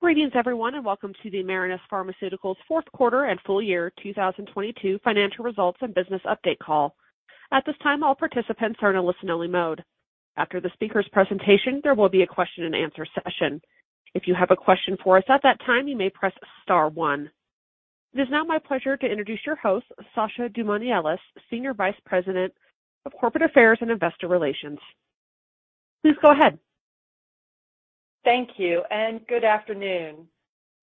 Greetings, everyone, welcome to the Marinus Pharmaceuticals Q4 and full year 2022 financial results and business update call. At this time, all participants are in a listen-only mode. After the speaker's presentation, there will be a question-and-answer session. If you have a question for us at that time, you may press star one. It is now my pleasure to introduce your host, Sasha Damouni Ellis, Senior Vice President of Corporate Affairs and Investor Relations. Please go ahead. Thank you. Good afternoon.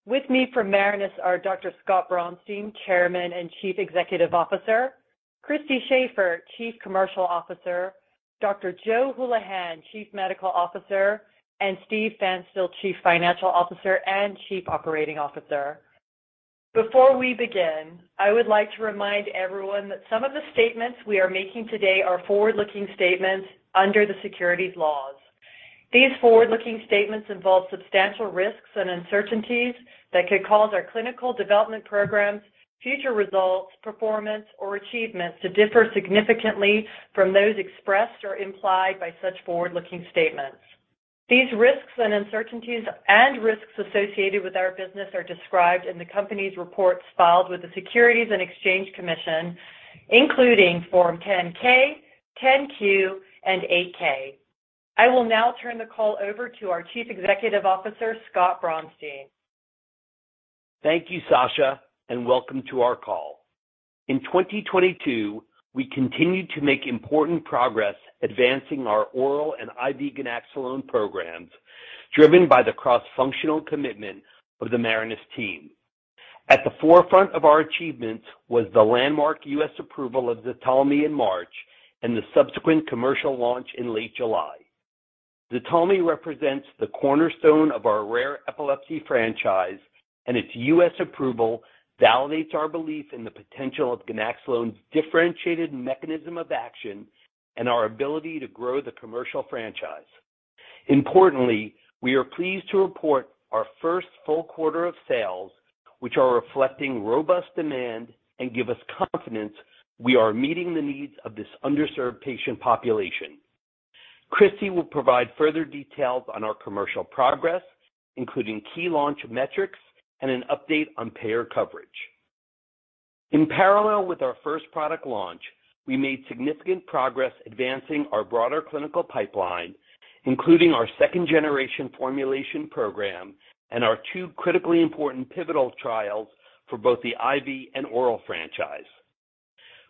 With me from Marinus are Dr. Scott Braunstein, Chairman and Chief Executive Officer; Christy Shafer, Chief Commercial Officer; Dr. Joe Hulihan, Chief Medical Officer; and Steve Pfanstiel, Chief Financial Officer and Chief Operating Officer. Before we begin, I would like to remind everyone that some of the statements we are making today are forward-looking statements under the securities laws. These forward-looking statements involve substantial risks and uncertainties that could cause our clinical development programs, future results, performance, or achievements to differ significantly from those expressed or implied by such forward-looking statements. These risks and uncertainties and risks associated with our business are described in the company's reports filed with the Securities and Exchange Commission, including Form 10-K, Form 10-Q, and Form 8-K. I will now turn the call over to our Chief Executive Officer, Scott Braunstein. Thank you, Sasha, welcome to our call. In 2022, we continued to make important progress advancing our Oral and IV Ganaxolone programs, driven by the cross-functional commitment of the Marinus team. At the forefront of our achievements was the landmark U.S. approval of ZTALMY in March and the subsequent commercial launch in late July. ZTALMY represents the cornerstone of our rare epilepsy franchise, and its U.S. approval validates our belief in the potential of ganaxolone's differentiated mechanism of action and our ability to grow the commercial franchise. Importantly, we are pleased to report our first full quarter of sales, which are reflecting robust demand and give us confidence we are meeting the needs of this underserved patient population. Christy will provide further details on our commercial progress, including key launch metrics and an update on payer coverage. In parallel with our first product launch, we made significant progress advancing our broader clinical pipeline, including our second-generation formulation program and our two critically important pivotal trials for both the IV and oral franchise.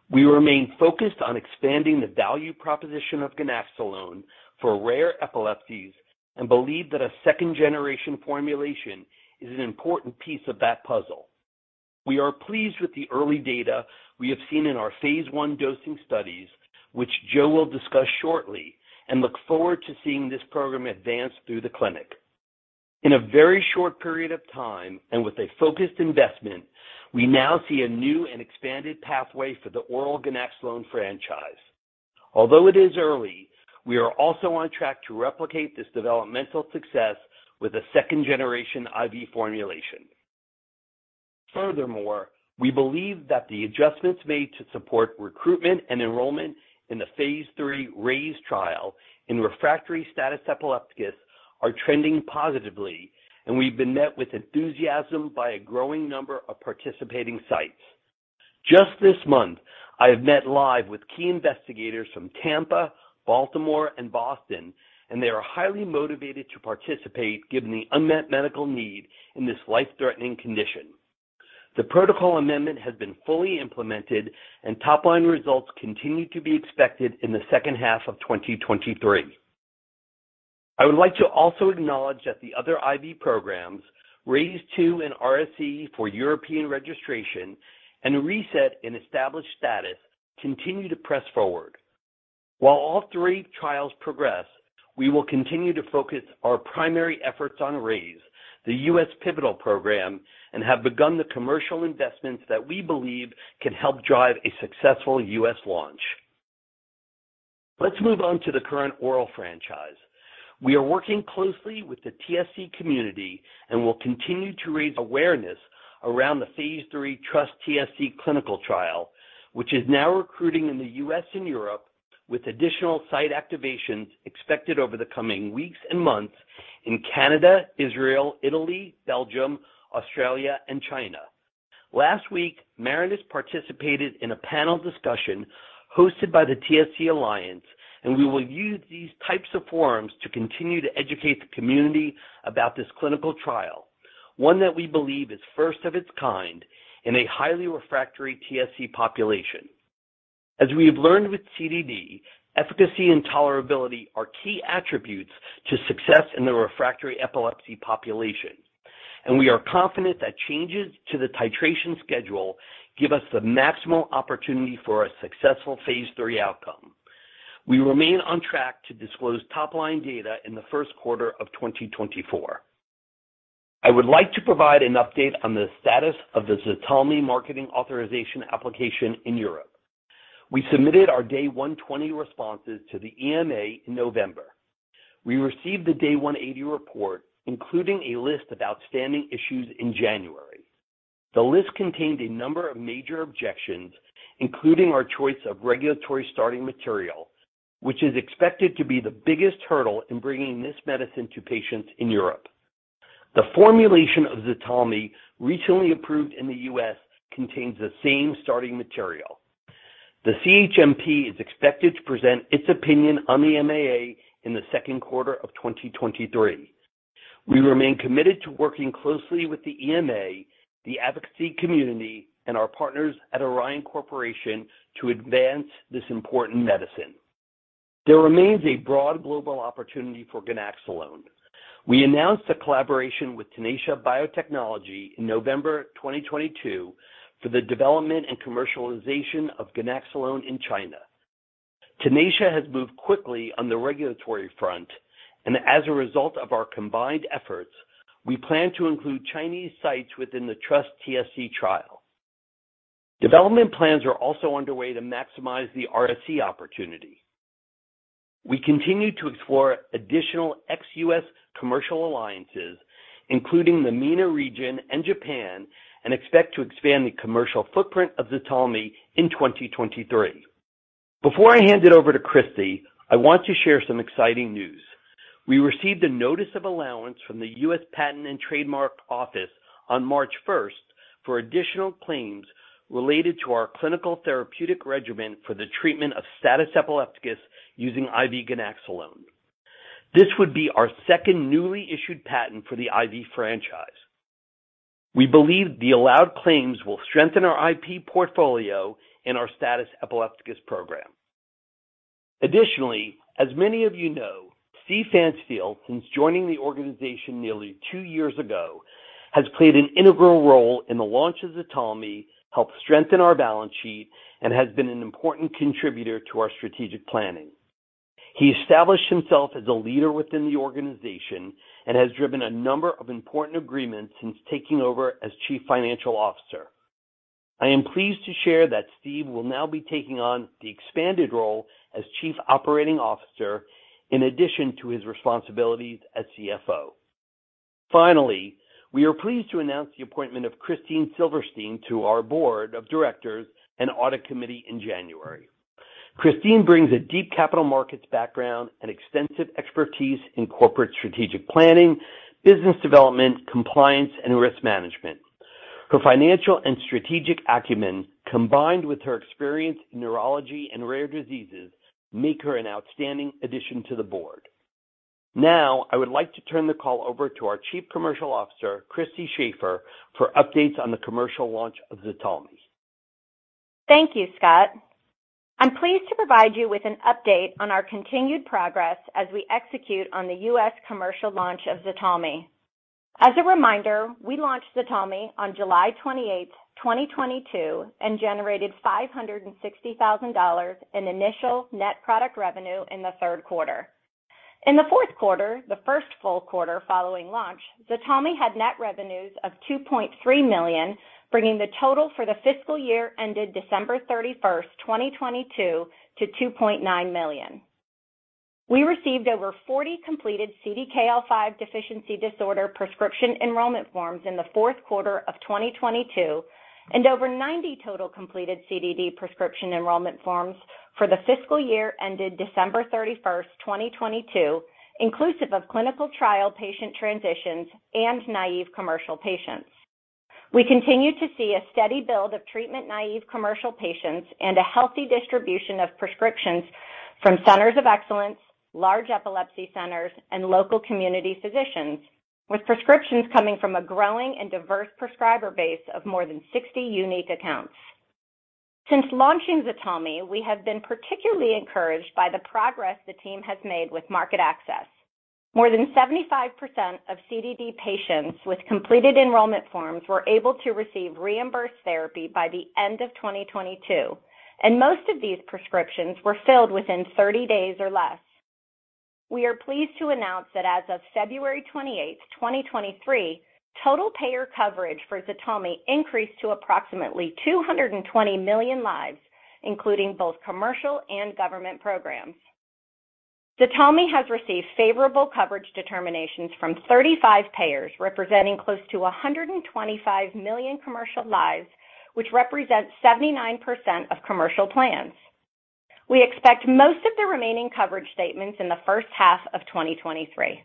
We remain focused on expanding the value proposition of ganaxolone for rare epilepsies and believe that a second-generation formulation is an important piece of that puzzle. We are pleased with the early data we have seen in our phase I dosing studies, which Joe will discuss shortly, and look forward to seeing this program advance through the clinic. In a very short period of time and with a focused investment, we now see a new and expanded pathway for the oral ganaxolone franchise. Although it is early, we are also on track to replicate this developmental success with a second-generation IV formulation. We believe that the adjustments made to support recruitment and enrollment in the phase III RAISE trial in refractory status epilepticus are trending positively, and we've been met with enthusiasm by a growing number of participating sites. Just this month, I have met live with key investigators from Tampa, Baltimore, and Boston, and they are highly motivated to participate given the unmet medical need in this life-threatening condition. The protocol amendment has been fully implemented, and top-line results continue to be expected in the H2 of 2023. I would like to also acknowledge that the other IV programs, RAISE II in RSE for European registration and RESET in established status, continue to press forward. While all three trials progress, we will continue to focus our primary efforts on RAISE, the U.S. pivotal program, and have begun the commercial investments that we believe can help drive a successful U.S. launch. Let's move on to the current oral franchise. We are working closely with the TSC community and will continue to raise awareness around the phase III TrustTSC clinical trial, which is now recruiting in the U.S. and Europe with additional site activations expected over the coming weeks and months in Canada, Israel, Italy, Belgium, Australia, and China. Last week, Marinus participated in a panel discussion hosted by the TSC Alliance. We will use these types of forums to continue to educate the community about this clinical trial. One that we believe is first of its kind in a highly refractory TSC population. As we have learned with CDD, efficacy and tolerability are key attributes to success in the refractory epilepsy population, and we are confident that changes to the titration schedule give us the maximal opportunity for a successful phase III outcome. We remain on track to disclose top-line data in the Q1 of 2024. I would like to provide an update on the status of the ZTALMY marketing authorization application in Europe. We submitted our day 120 responses to the EMA in November. We received the day 180 report, including a list of outstanding issues in January. The list contained a number of major objections, including our choice of regulatory starting material, which is expected to be the biggest hurdle in bringing this medicine to patients in Europe. The formulation of ZTALMY recently approved in the U.S. contains the same starting material. The CHMP is expected to present its opinion on the MAA in the Q2 of 2023. We remain committed to working closely with the EMA, the advocacy community, and our partners at Orion Corporation to advance this important medicine. There remains a broad global opportunity for ganaxolone. We announced a collaboration with Tenacia Biotechnology in November 2022 for the development and commercialization of ganaxolone in China. Tenacia has moved quickly on the regulatory front and as a result of our combined efforts, we plan to include Chinese sites within the TrustTSC trial. Development plans are also underway to maximize the RSE opportunity. We continue to explore additional ex-US commercial alliances, including the MENA region and Japan, and expect to expand the commercial footprint of ZTALMY in 2023. Before I hand it over to Christy, I want to share some exciting news. We received a notice of allowance from the US Patent and Trademark Office on March first for additional claims related to our clinical therapeutic regimen for the treatment of status epilepticus using IV ganaxolone. This would be our second newly issued patent for the IV franchise. We believe the allowed claims will strengthen our IP portfolio and our status epilepticus program. As many of you know, Steven Pfanstiel, since joining the organization nearly two years ago, has played an integral role in the launch of ZTALMY, helped strengthen our balance sheet, and has been an important contributor to our strategic planning. He established himself as a leader within the organization and has driven a number of important agreements since taking over as Chief Financial Officer. I am pleased to share that Steve will now be taking on the expanded role as Chief Operating Officer in addition to his responsibilities as CFO. We are pleased to announce the appointment of Christine Silverstein to our board of directors and audit committee in January. Christine brings a deep capital markets background and extensive expertise in corporate strategic planning, business development, compliance, and risk management. Her financial and strategic acumen, combined with her experience in neurology and rare diseases, make her an outstanding addition to the board. I would like to turn the call over to our Chief Commercial Officer, Christy Shafer, for updates on the commercial launch of ZTALMY. Thank you, Scott. I'm pleased to provide you with an update on our continued progress as we execute on the U.S. commercial launch of ZTALMY. As a reminder, we launched ZTALMY on July 28th, 2022 and generated $560,000 in initial net product revenue in the Q3 In the Q4, the first full quarter following launch, ZTALMY had net revenues of $2.3 million, bringing the total for the fiscal year ended December 31st, 2022 to $2.9 million. We received over 40 completed CDKL5 deficiency disorder prescription enrollment forms in the Q4 of 2022 and over 90 total completed CDD prescription enrollment forms for the fiscal year ended December 31st, 2022, inclusive of clinical trial patient transitions and naive commercial patients. We continue to see a steady build of treatment-naive commercial patients and a healthy distribution of prescriptions from Centers of Excellence, large epilepsy centers, and local community physicians with prescriptions coming from a growing and diverse prescriber base of more than 60 unique accounts. Since launching ZTALMY, we have been particularly encouraged by the progress the team has made with market access. More than 75% of CDD patients with completed enrollment forms were able to receive reimbursed therapy by the end of 2022, and most of these prescriptions were filled within 30 days or less. We are pleased to announce that as of February 28th, 2023, total payer coverage for ZTALMY increased to approximately 220 million lives, including both commercial and government programs. ZTALMY has received favorable coverage determinations from 35 payers, representing close to 125 million commercial lives, which represents 79% of commercial plans. We expect most of the remaining coverage statements in the H1 of 2023.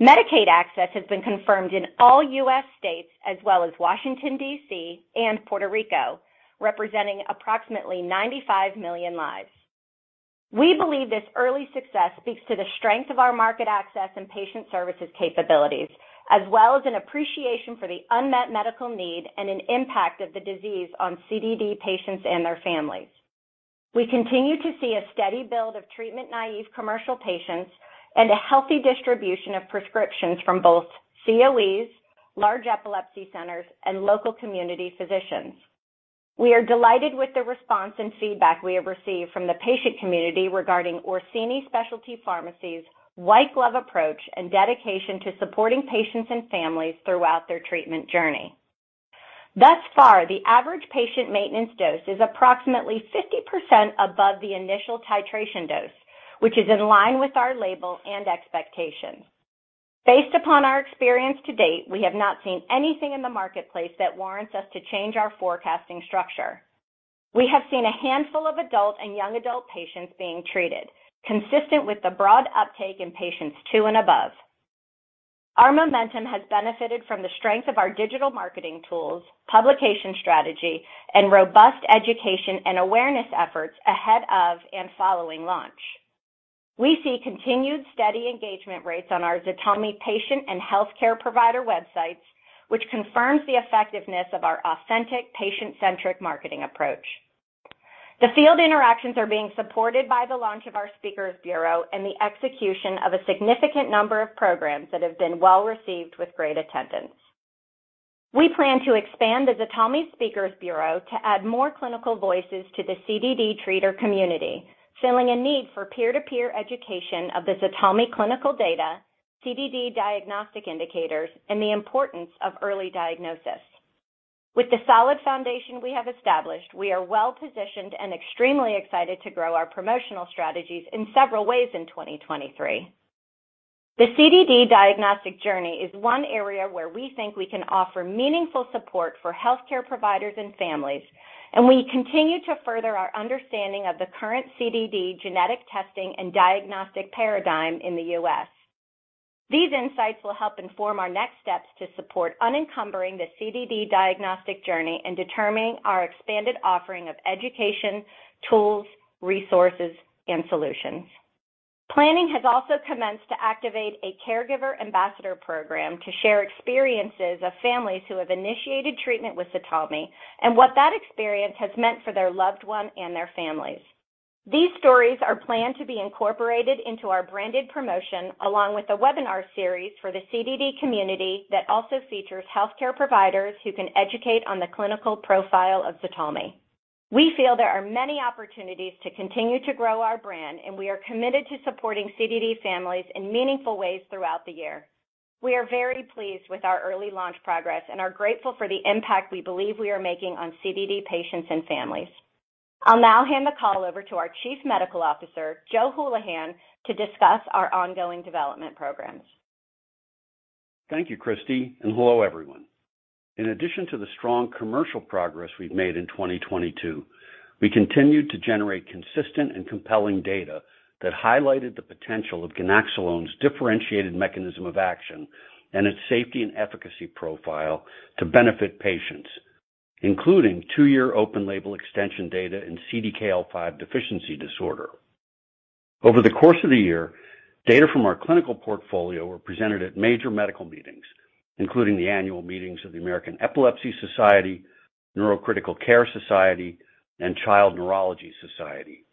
Medicaid access has been confirmed in all U.S. states as well as Washington, D.C., and Puerto Rico, representing approximately 95 million lives. We believe this early success speaks to the strength of our market access and patient services capabilities, as well as an appreciation for the unmet medical need and an impact of the disease on CDD patients and their families. We continue to see a steady build of treatment-naive commercial patients and a healthy distribution of prescriptions from both COEs, large epilepsy centers, and local community physicians. We are delighted with the response and feedback we have received from the patient community regarding Orsini Specialty Pharmacy's white glove approach and dedication to supporting patients and families throughout their treatment journey. Thus far, the average patient maintenance dose is approximately 50% above the initial titration dose which is in line with our label and expectations. Based upon our experience to date, we have not seen anything in the marketplace that warrants us to change our forecasting structure. We have seen a handful of adult and young adult patients being treated, consistent with the broad uptake in patients two and above. Our momentum has benefited from the strength of our digital marketing tools, publication strategy, and robust education and awareness efforts ahead of and following launch. We see continued steady engagement rates on our ZTALMY patient and healthcare provider websites, which confirms the effectiveness of our authentic patient-centric marketing approach. The field interactions are being supported by the launch of our speakers bureau and the execution of a significant number of programs that have been well-received with great attendance. We plan to expand the ZTALMY Speakers Bureau to add more clinical voices to the CDD treater community, filling a need for peer-to-peer education of the ZTALMY clinical data, CDD diagnostic indicators, and the importance of early diagnosis. With the solid foundation we have established, we are well-positioned and extremely excited to grow our promotional strategies in several ways in 2023. The CDD diagnostic journey is one area where we think we can offer meaningful support for healthcare providers and families, and we continue to further our understanding of the current CDD genetic testing and diagnostic paradigm in the U.S. These insights will help inform our next steps to support unencumbering the CDD diagnostic journey and determining our expanded offering of education, tools, resources, and solutions. Planning has also commenced to activate a caregiver ambassador program to share experiences of families who have initiated treatment with ZTALMY and what that experience has meant for their loved one and their families. These stories are planned to be incorporated into our branded promotion, along with a webinar series for the CDD community that also features healthcare providers who can educate on the clinical profile of ZTALMY. We feel there are many opportunities to continue to grow our brand. We are committed to supporting CDD families in meaningful ways throughout the year. We are very pleased with our early launch progress and are grateful for the impact we believe we are making on CDD patients and families. I'll now hand the call over to our Chief Medical Officer, Joe Hulihan, to discuss our ongoing development programs. Thank you, Christy. Hello, everyone. In addition to the strong commercial progress we've made in 2022, we continued to generate consistent and compelling data that highlighted the potential of ganaxolone's differentiated mechanism of action and its safety and efficacy profile to benefit patients, including 2-year open label extension data in CDKL5 deficiency disorder. Over the course of the year, data from our clinical portfolio were presented at major medical meetings, including the annual meetings of the American Epilepsy Society, Neurocritical Care Society, and Child Neurology Society.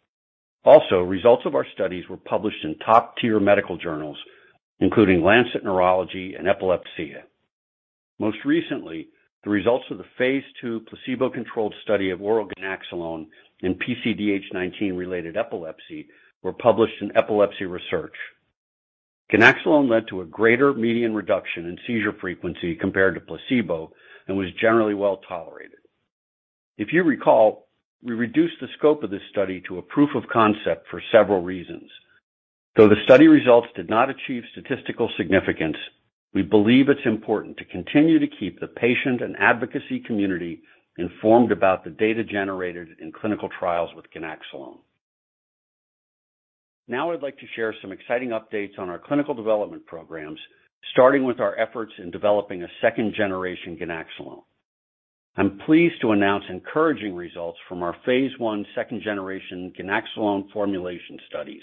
Results of our studies were published in top-tier medical journals, including The Lancet Neurology and Epilepsia. Most recently, the results of the phase II placebo-controlled study of oral ganaxolone in PCDH19-related epilepsy were published in Epilepsy Research. Ganaxolone led to a greater median reduction in seizure frequency compared to placebo and was generally well-tolerated. If you recall, we reduced the scope of this study to a proof of concept for several reasons. Though the study results did not achieve statistical significance, we believe it's important to continue to keep the patient and advocacy community informed about the data generated in clinical trials with ganaxolone. I'd like to share some exciting updates on our clinical development programs, starting with our efforts in developing a second-generation ganaxolone. I'm pleased to announce encouraging results from our phase I second-generation ganaxolone formulation studies,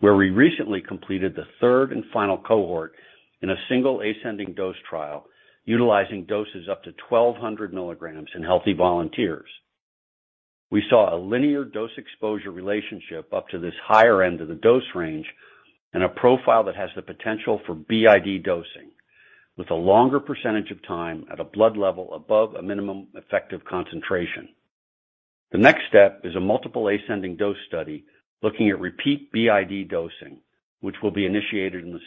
where we recently completed the third and final cohort in a single ascending dose trial utilizing doses up to 1,200 mg in healthy volunteers. We saw a linear dose exposure relationship up to this higher end of the dose range and a profile that has the potential for BID dosing with a longer percentage of time at a blood level above a minimum effective concentration. The next step is a multiple ascending dose study looking at repeat BID dosing, which will be initiated in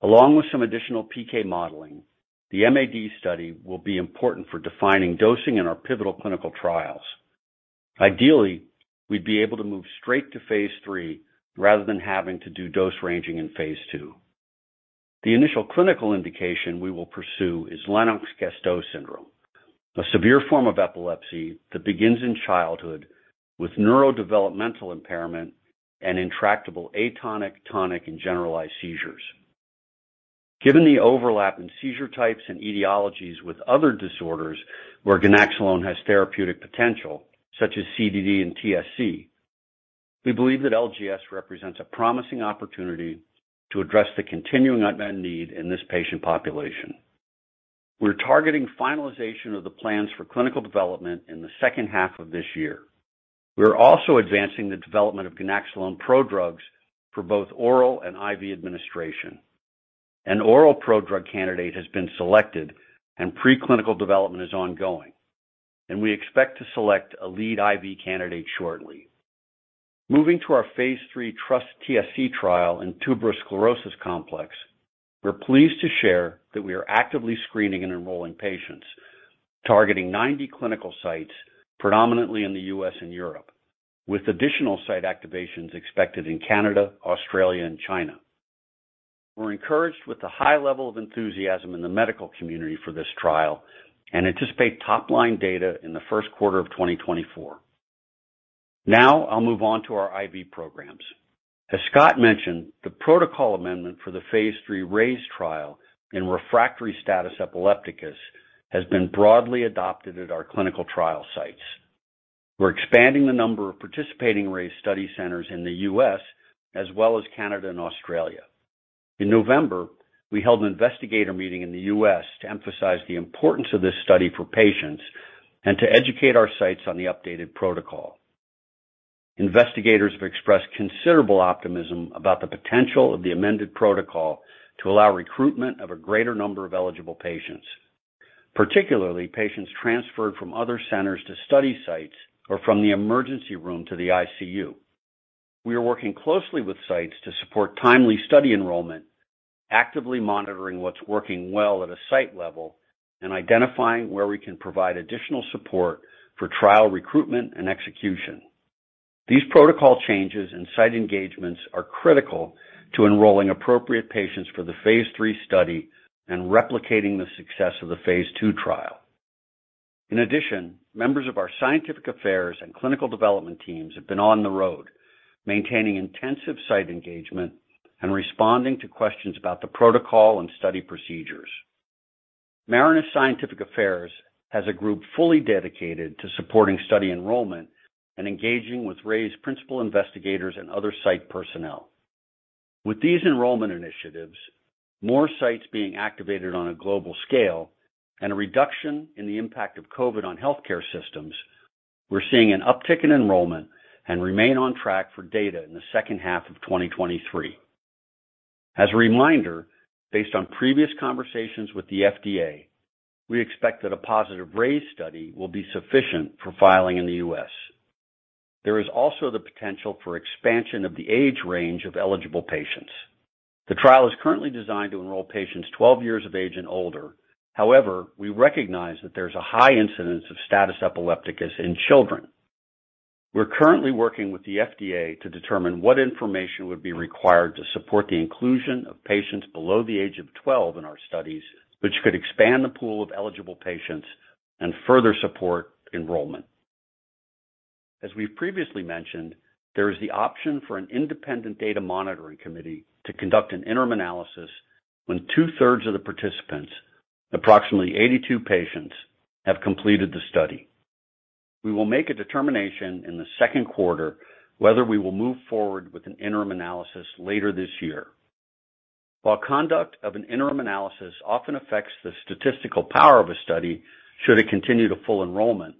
the Q2. Along with some additional PK modeling, the MAD study will be important for defining dosing in our pivotal clinical trials. Ideally, we'd be able to move straight to phase III rather than having to do dose ranging in phase II. The initial clinical indication we will pursue is Lennox-Gastaut syndrome, a severe form of epilepsy that begins in childhood with neurodevelopmental impairment and intractable atonic, tonic, and generalized seizures. Given the overlap in seizure types and etiologies with other disorders where ganaxolone has therapeutic potential, such as CDD and TSC, we believe that LGS represents a promising opportunity to address the continuing unmet need in this patient population. We're targeting finalization of the plans for clinical development in the H2 of this year. We're also advancing the development of ganaxolone prodrugs for both oral and IV administration. An oral prodrug candidate has been selected and preclinical development is ongoing, and we expect to select a lead IV candidate shortly. Moving to our phase III TrustTSC trial in tuberous sclerosis complex, we're pleased to share that we are actively screening and enrolling patients. Targeting 90 clinical sites predominantly in the U.S. and Europe, with additional site activations expected in Canada, Australia, and China. We're encouraged with the high level of enthusiasm in the medical community for this trial and anticipate top-line data in the Q1 of 2024. I'll move on to our IV programs. As Scott mentioned, the protocol amendment for the phase III RAISE trial in refractory status epilepticus has been broadly adopted at our clinical trial sites. We're expanding the number of participating RAISE study centers in the U.S., as well as Canada and Australia. In November, we held an investigator meeting in the U.S. to emphasize the importance of this study for patients and to educate our sites on the updated protocol. Investigators have expressed considerable optimism about the potential of the amended protocol to allow recruitment of a greater number of eligible patients, particularly patients transferred from other centers to study sites or from the emergency room to the ICU. We are working closely with sites to support timely study enrollment, actively monitoring what's working well at a site level, and identifying where we can provide additional support for trial recruitment and execution. These protocol changes and site engagements are critical to enrolling appropriate patients for the phase III study and replicating the success of the phase II trial. Members of our scientific affairs and clinical development teams have been on the road maintaining intensive site engagement and responding to questions about the protocol and study procedures. Marinus Scientific Affairs has a group fully dedicated to supporting study enrollment and engaging with RAISE principal investigators and other site personnel. With these enrollment initiatives, more sites being activated on a global scale, and a reduction in the impact of COVID on healthcare systems, we're seeing an uptick in enrollment and remain on track for data in the H2 of 2023. As a reminder, based on previous conversations with the FDA, we expect that a positive RAISE study will be sufficient for filing in the U.S. There is also the potential for expansion of the age range of eligible patients. The trial is currently designed to enroll patients 12 years of age and older. However, we recognize that there's a high incidence of status epilepticus in children. We're currently working with the FDA to determine what information would be required to support the inclusion of patients below the age of 12 in our studies, which could expand the pool of eligible patients and further support enrollment. As we've previously mentioned, there is the option for an independent data monitoring committee to conduct an interim analysis when two-thirds of the participants, approximately 82 patients, have completed the study. We will make a determination in the Q2 whether we will move forward with an interim analysis later this year. While conduct of an interim analysis often affects the statistical power of a study, should it continue to full enrollment,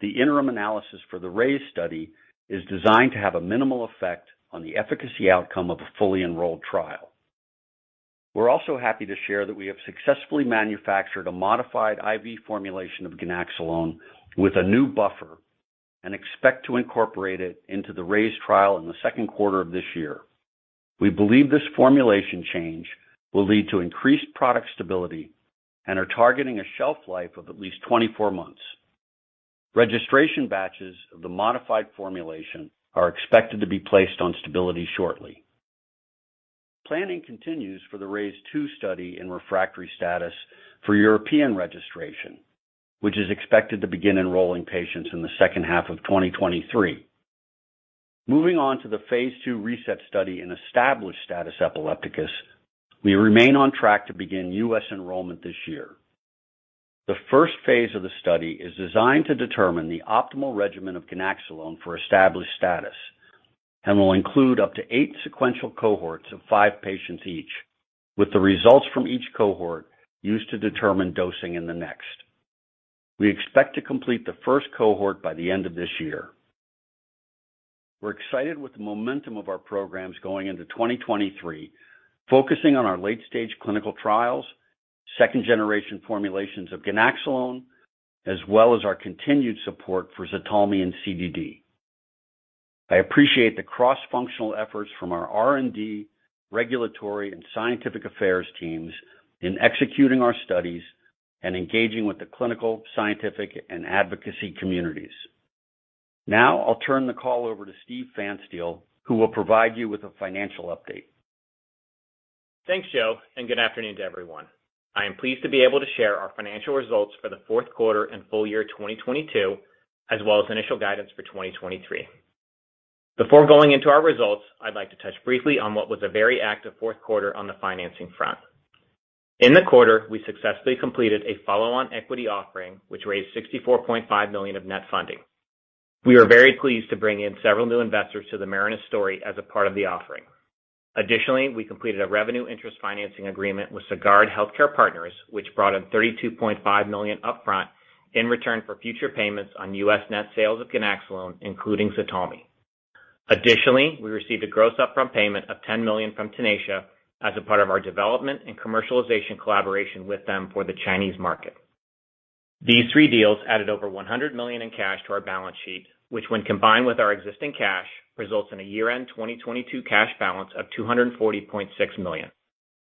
the interim analysis for the RAISE study is designed to have a minimal effect on the efficacy outcome of a fully enrolled trial. We're also happy to share that we have successfully manufactured a modified IV formulation of ganaxolone with a new buffer and expect to incorporate it into the RAISE trial in the Q2 of this year. We believe this formulation change will lead to increased product stability and are targeting a shelf life of at least 24 months. Registration batches of the modified formulation are expected to be placed on stability shortly. Planning continues for the RAISE II study in refractory status for European registration, which is expected to begin enrolling patients in the H2 of 2023. Moving on to the phase II RESET study in established status epilepticus, we remain on track to begin U.S. enrollment this year. The first phase of the study is designed to determine the optimal regimen of ganaxolone for established status and will include up to 8 sequential cohorts of 5 patients each, with the results from each cohort used to determine dosing in the next. We expect to complete the first cohort by the end of this year. We're excited with the momentum of our programs going into 2023, focusing on our late-stage clinical trials, second generation formulations of ganaxolone, as well as our continued support for ZTALMY and CDD. I appreciate the cross-functional efforts from our R&D, regulatory, and scientific affairs teams in executing our studies and engaging with the clinical, scientific, and advocacy communities. I'll turn the call over to Steven Pfanstiel, who will provide you with a financial update. Thanks, Joe. Good afternoon to everyone. I am pleased to be able to share our financial results for the Q4 and full year 2022, as well as initial guidance for 2023. Before going into our results, I'd like to touch briefly on what was a very active Q4 on the financing front. In the quarter, we successfully completed a follow-on equity offering, which raised $64.5 million of net funding. We are very pleased to bring in several new investors to the Marinus story as a part of the offering. Additionally, we completed a revenue interest financing agreement with Sagard Healthcare Royalty Partners, which brought in $32.5 million upfront in return for future payments on U.S. net sales of ganaxolone, including ZTALMY. Additionally, we received a gross upfront payment of $10 million from Tenacia as a part of our development and commercialization collaboration with them for the Chinese market. These three deals added over $100 million in cash to our balance sheet, which when combined with our existing cash, results in a year-end 2022 cash balance of $240.6 million.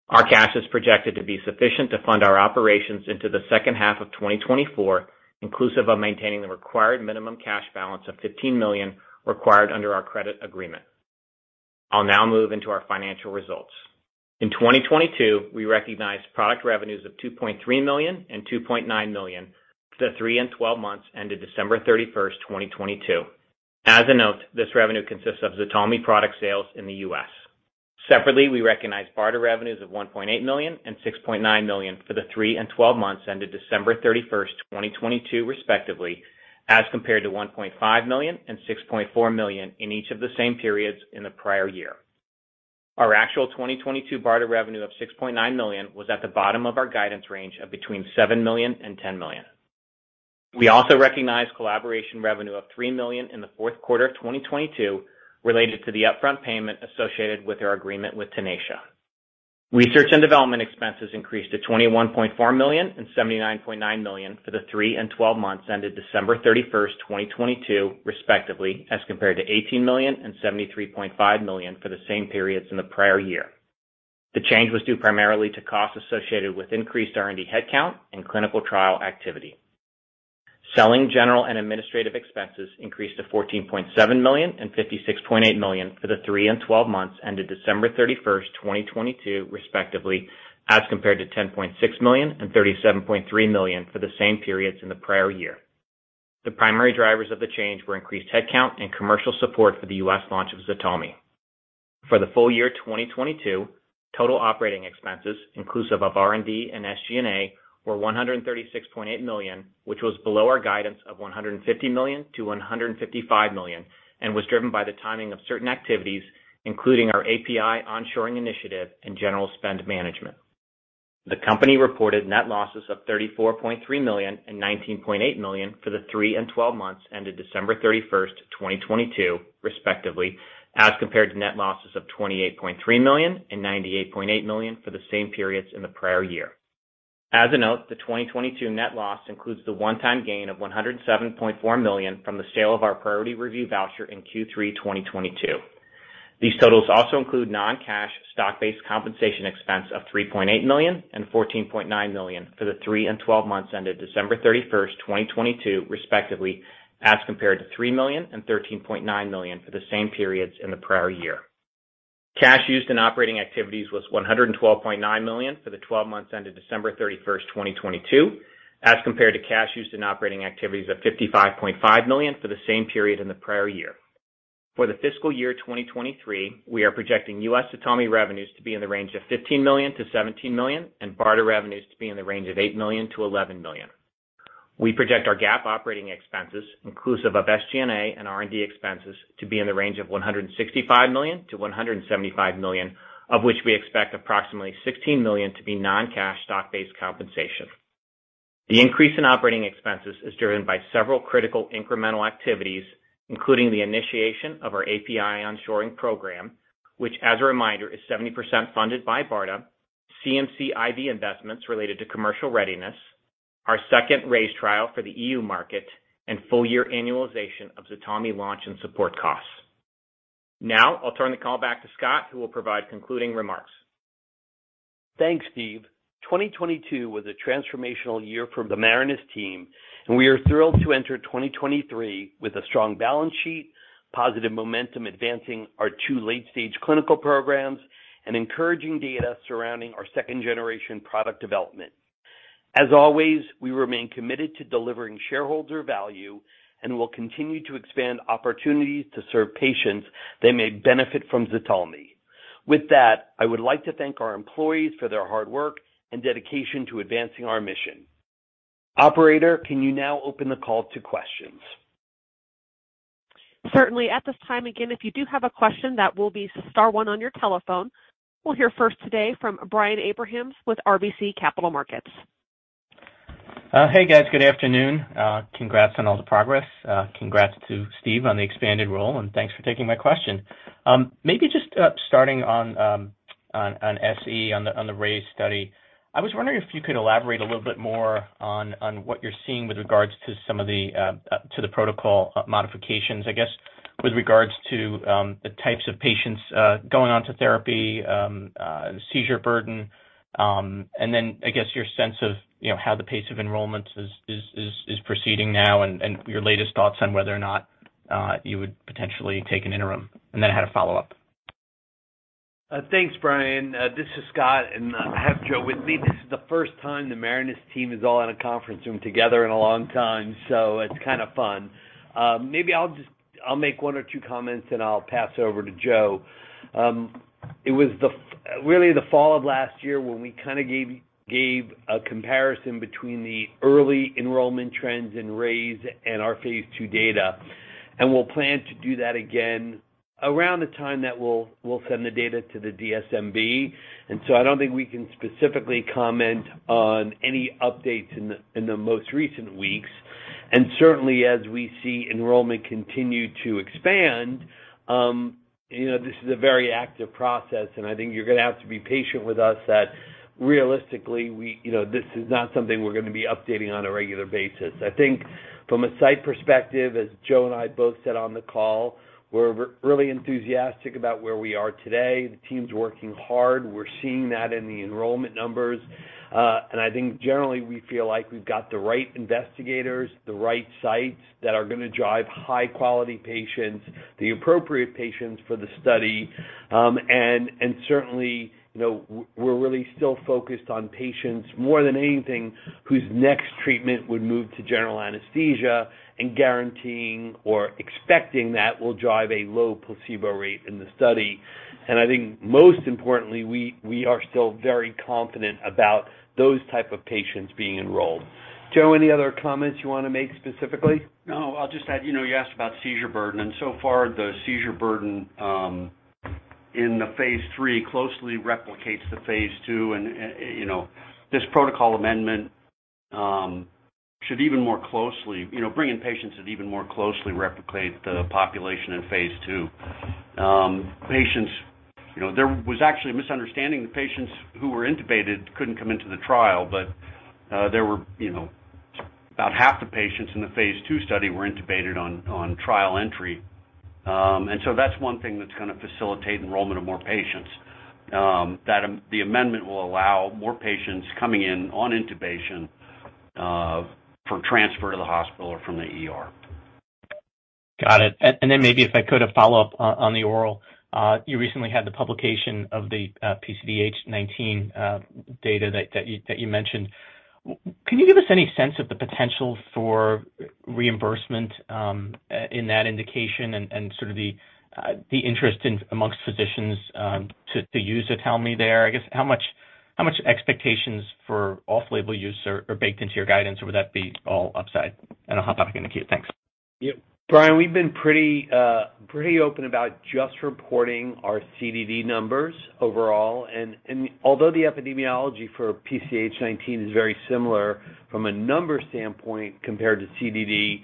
Our cash is projected to be sufficient to fund our operations into the H2 of 2024, inclusive of maintaining the required minimum cash balance of $15 million required under our credit agreement. I'll now move into our financial results. In 2022, we recognized product revenues of $2.3 million and $2.9 million for the three and 12 months ended December 31, 2022. As a note, this revenue consists of ZTALMY product sales in the U.S. Separately, we recognized BARDA revenues of $1.8 million and $6.9 million for the 3 and 12 months ended December 31, 2022, respectively, as compared to $1.5 million and $6.4 million in each of the same periods in the prior year. Our actual 2022 BARDA revenue of $6.9 million was at the bottom of our guidance range of between $7 million-$10 million. We also recognized collaboration revenue of $3 million in the Q4 of 2022 related to the upfront payment associated with our agreement with Tenacia. Research and development expenses increased to $21.4 million and $79.9 million for the 3 and 12 months ended December 31, 2022 respectively, as compared to $18 million and $73.5 million for the same periods in the prior year. The change was due primarily to costs associated with increased R&D headcount and clinical trial activity. Selling, general and administrative expenses increased to $14.7 million and $56.8 million for the 3 and 12 months ended December 31, 2022, respectively, as compared to $10.6 million and $37.3 million for the same periods in the prior year. The primary drivers of the change were increased headcount and commercial support for the US launch of ZTALMY. For the full year 2022, total operating expenses inclusive of R&D and SG&A were $136.8 million, which was below our guidance of $150 million-$155 million, and was driven by the timing of certain activities, including our API onshoring initiative and general spend management. The company reported net losses of $34.3 million and $19.8 million for the 3 and 12 months ended December 31, 2022, respectively, as compared to net losses of $28.3 million and $98.8 million for the same periods in the prior year. As a note, the 2022 net loss includes the one-time gain of $107.4 million from the sale of our priority review voucher in Q3 2022. These totals also include non-cash stock-based compensation expense of $3.8 million and $14.9 million for the 3 and 12 months ended December 31, 2022 respectively, as compared to $3 million and $13.9 million for the same periods in the prior year. Cash used in operating activities was $112.9 million for the 12 months ended December 31st, 2022, as compared to cash used in operating activities of $55.5 million for the same period in the prior year. For the fiscal year 2023, we are projecting ZTALMY revenues to be in the range of $15 million-$17 million, and BARDA revenues to be in the range of $8 million-$11 million. We project our GAAP operating expenses inclusive of SG&A and R&D expenses to be in the range of $165 million-$175 million, of which we expect approximately $16 million to be non-cash stock-based compensation. The increase in operating expenses is driven by several critical incremental activities, including the initiation of our API onshoring program, which as a reminder, is 70% funded by BARDA, CMC IV investments related to commercial readiness, our second RAISE trial for the EU market and full year annualization of ZTALMY launch and support costs. I'll turn the call back to Scott, who will provide concluding remarks. Thanks, Steve. 2022 was a transformational year for the Marinus team. We are thrilled to enter 2023 with a strong balance sheet, positive momentum advancing our two late-stage clinical programs, and encouraging data surrounding our second generation product development. As always, we remain committed to delivering shareholder value and will continue to expand opportunities to serve patients that may benefit from ZTALMY. With that, I would like to thank our employees for their hard work and dedication to advancing our mission. Operator, can you now open the call to questions? Certainly. At this time, again, if you do have a question, that will be star one on your telephone. We'll hear first today from Brian Abrahams with RBC Capital Markets. Hey, guys. Good afternoon. Congrats on all the progress. Congrats to Steve on the expanded role, and thanks for taking my question. Maybe just starting on SE, on the RAISE study. I was wondering if you could elaborate a little bit more on what you're seeing with regards to some of the to the protocol modifications, I guess with regards to the types of patients going on to therapy, seizure burden. Then I guess your sense of, you know, how the pace of enrollments is proceeding now and your latest thoughts on whether or not you would potentially take an interim. Then I had a follow-up. Thanks, Brian. This is Scott, and I have Joe with me. This is the first time the Marinus team is all in a conference room together in a long time, so it's kinda fun. Maybe I'll just make 1 or 2 comments and I'll pass over to Joe. It was really the fall of last year when we kinda gave a comparison between the early enrollment trends in RAISE and our phase II data, and we'll plan to do that again around the time that we'll send the data to the DSMB. I don't think we can specifically comment on any updates in the most recent weeks. Certainly as we see enrollment continue to expand, you know, this is a very active process and I think you're gonna have to be patient with us. Realistically, we, you know, this is not something we're gonna be updating on a regular basis. I think from a site perspective, as Joe and I both said on the call, we're really enthusiastic about where we are today. The team's working hard. We're seeing that in the enrollment numbers. And I think generally, we feel like we've got the right investigators, the right sites that are gonna drive high-quality patients, the appropriate patients for the study. And certainly, you know, we're really still focused on patients, more than anything, whose next treatment would move to general anesthesia and guaranteeing or expecting that will drive a low placebo rate in the study. I think most importantly, we are still very confident about those type of patients being enrolled. Joe, any other comments you wanna make specifically? No. I'll just add, you know, you asked about seizure burden. So far, the seizure burden in the phase III closely replicates the phase II. You know, this protocol amendment should even more closely, you know, bring in patients that even more closely replicate the population in phase II. Patients, you know, there was actually a misunderstanding that patients who were intubated couldn't come into the trial. There were, you know, about half the patients in the phase II study were intubated on trial entry. So that's one thing that's gonna facilitate enrollment of more patients. The amendment will allow more patients coming in on intubation from transfer to the hospital or from the ER. Got it. Then maybe if I could have follow-up on the oral. You recently had the publication of the PCDH19 data that you mentioned. Can you give us any sense of the potential for reimbursement in that indication and sort of the interest amongst physicians to use ZTALMY there? I guess how much expectations for off-label use are baked into your guidance, or would that be all upside? I'll hop back into queue. Thanks. Yeah. Brian, we've been pretty open about just reporting our CDD numbers overall. Although the epidemiology for PCDH19 is very similar from a numbers standpoint compared to CDD,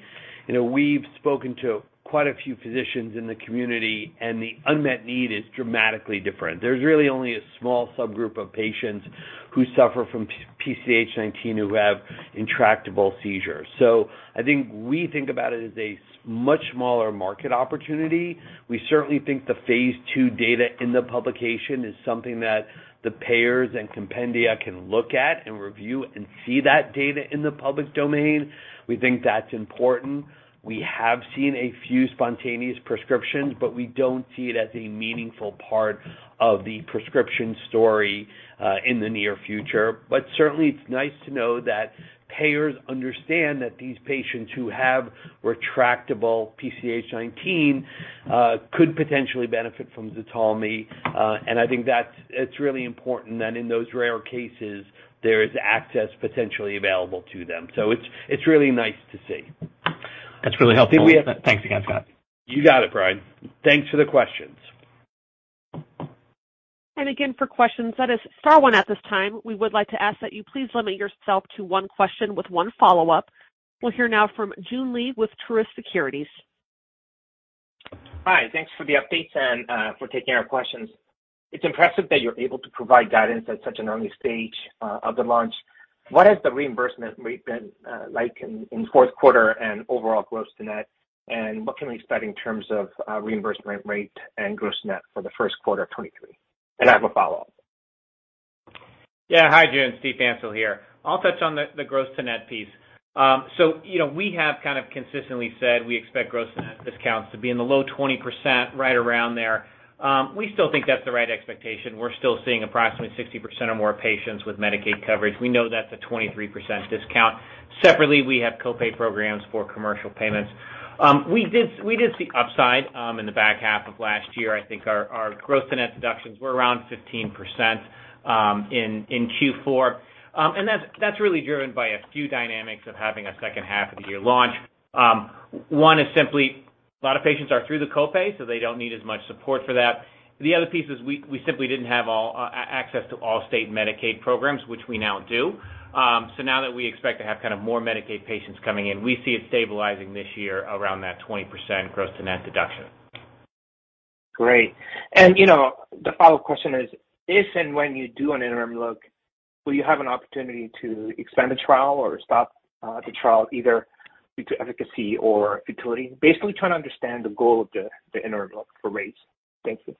you know, we've spoken to quite a few physicians in the community, and the unmet need is dramatically different. There's really only a small subgroup of patients who suffer from PCDH19 who have intractable seizures. I think we think about it as a much smaller market opportunity. We certainly think the phase II data in the publication is something that the payers and compendia can look at and review and see that data in the public domain. We think that's important. We have seen a few spontaneous prescriptions, but we don't see it as a meaningful part of the prescription story, in the near future. Certainly, it's nice to know that payers understand that these patients who have refractory PCDH19 could potentially benefit from ZTALMY. I think it's really important that in those rare cases, there is access potentially available to them. It's really nice to see. That's really helpful. I think we. Thanks again, Scott. You got it, Brian. Thanks for the questions. Again, for questions press star one at this time, we would like to ask that you please limit yourself to one question with one follow-up. We'll hear now from Joon Lee with Truist Securities. Hi. Thanks for the updates and for taking our questions. It's impressive that you're able to provide guidance at such an early stage of the launch. What has the reimbursement rate been like in Q4 and overall gross to net? What can we expect in terms of reimbursement rate and gross net for the Q1 of 2023? I have a follow-up. Hi, Joon. Steven Pfanstiel here. I'll touch on the gross to net piece. You know, we have kind of consistently said we expect gross net discounts to be in the low 20%, right around there. We still think that's the right expectation. We're still seeing approximately 60% or more patients with Medicaid coverage. We know that's a 23% discount. Separately, we have co-pay programs for commercial payments. We did see upside in the back half of last year. I think our gross to net deductions were around 15% in Q4. And that's really driven by a few dynamics of having a H2 of the year launch. One is simply a lot of patients are through the co-pay, so they don't need as much support for that. The other piece is we simply didn't have all access to all state Medicaid programs, which we now do. Now that we expect to have kind of more Medicaid patients coming in, we see it stabilizing this year around that 20% gross to net deduction. Great. You know, the follow-up question is, if and when you do an interim look, will you have an opportunity to extend the trial or stop the trial either due to efficacy or futility? Basically, trying to understand the goal of the interim look for RAISE. Thank you.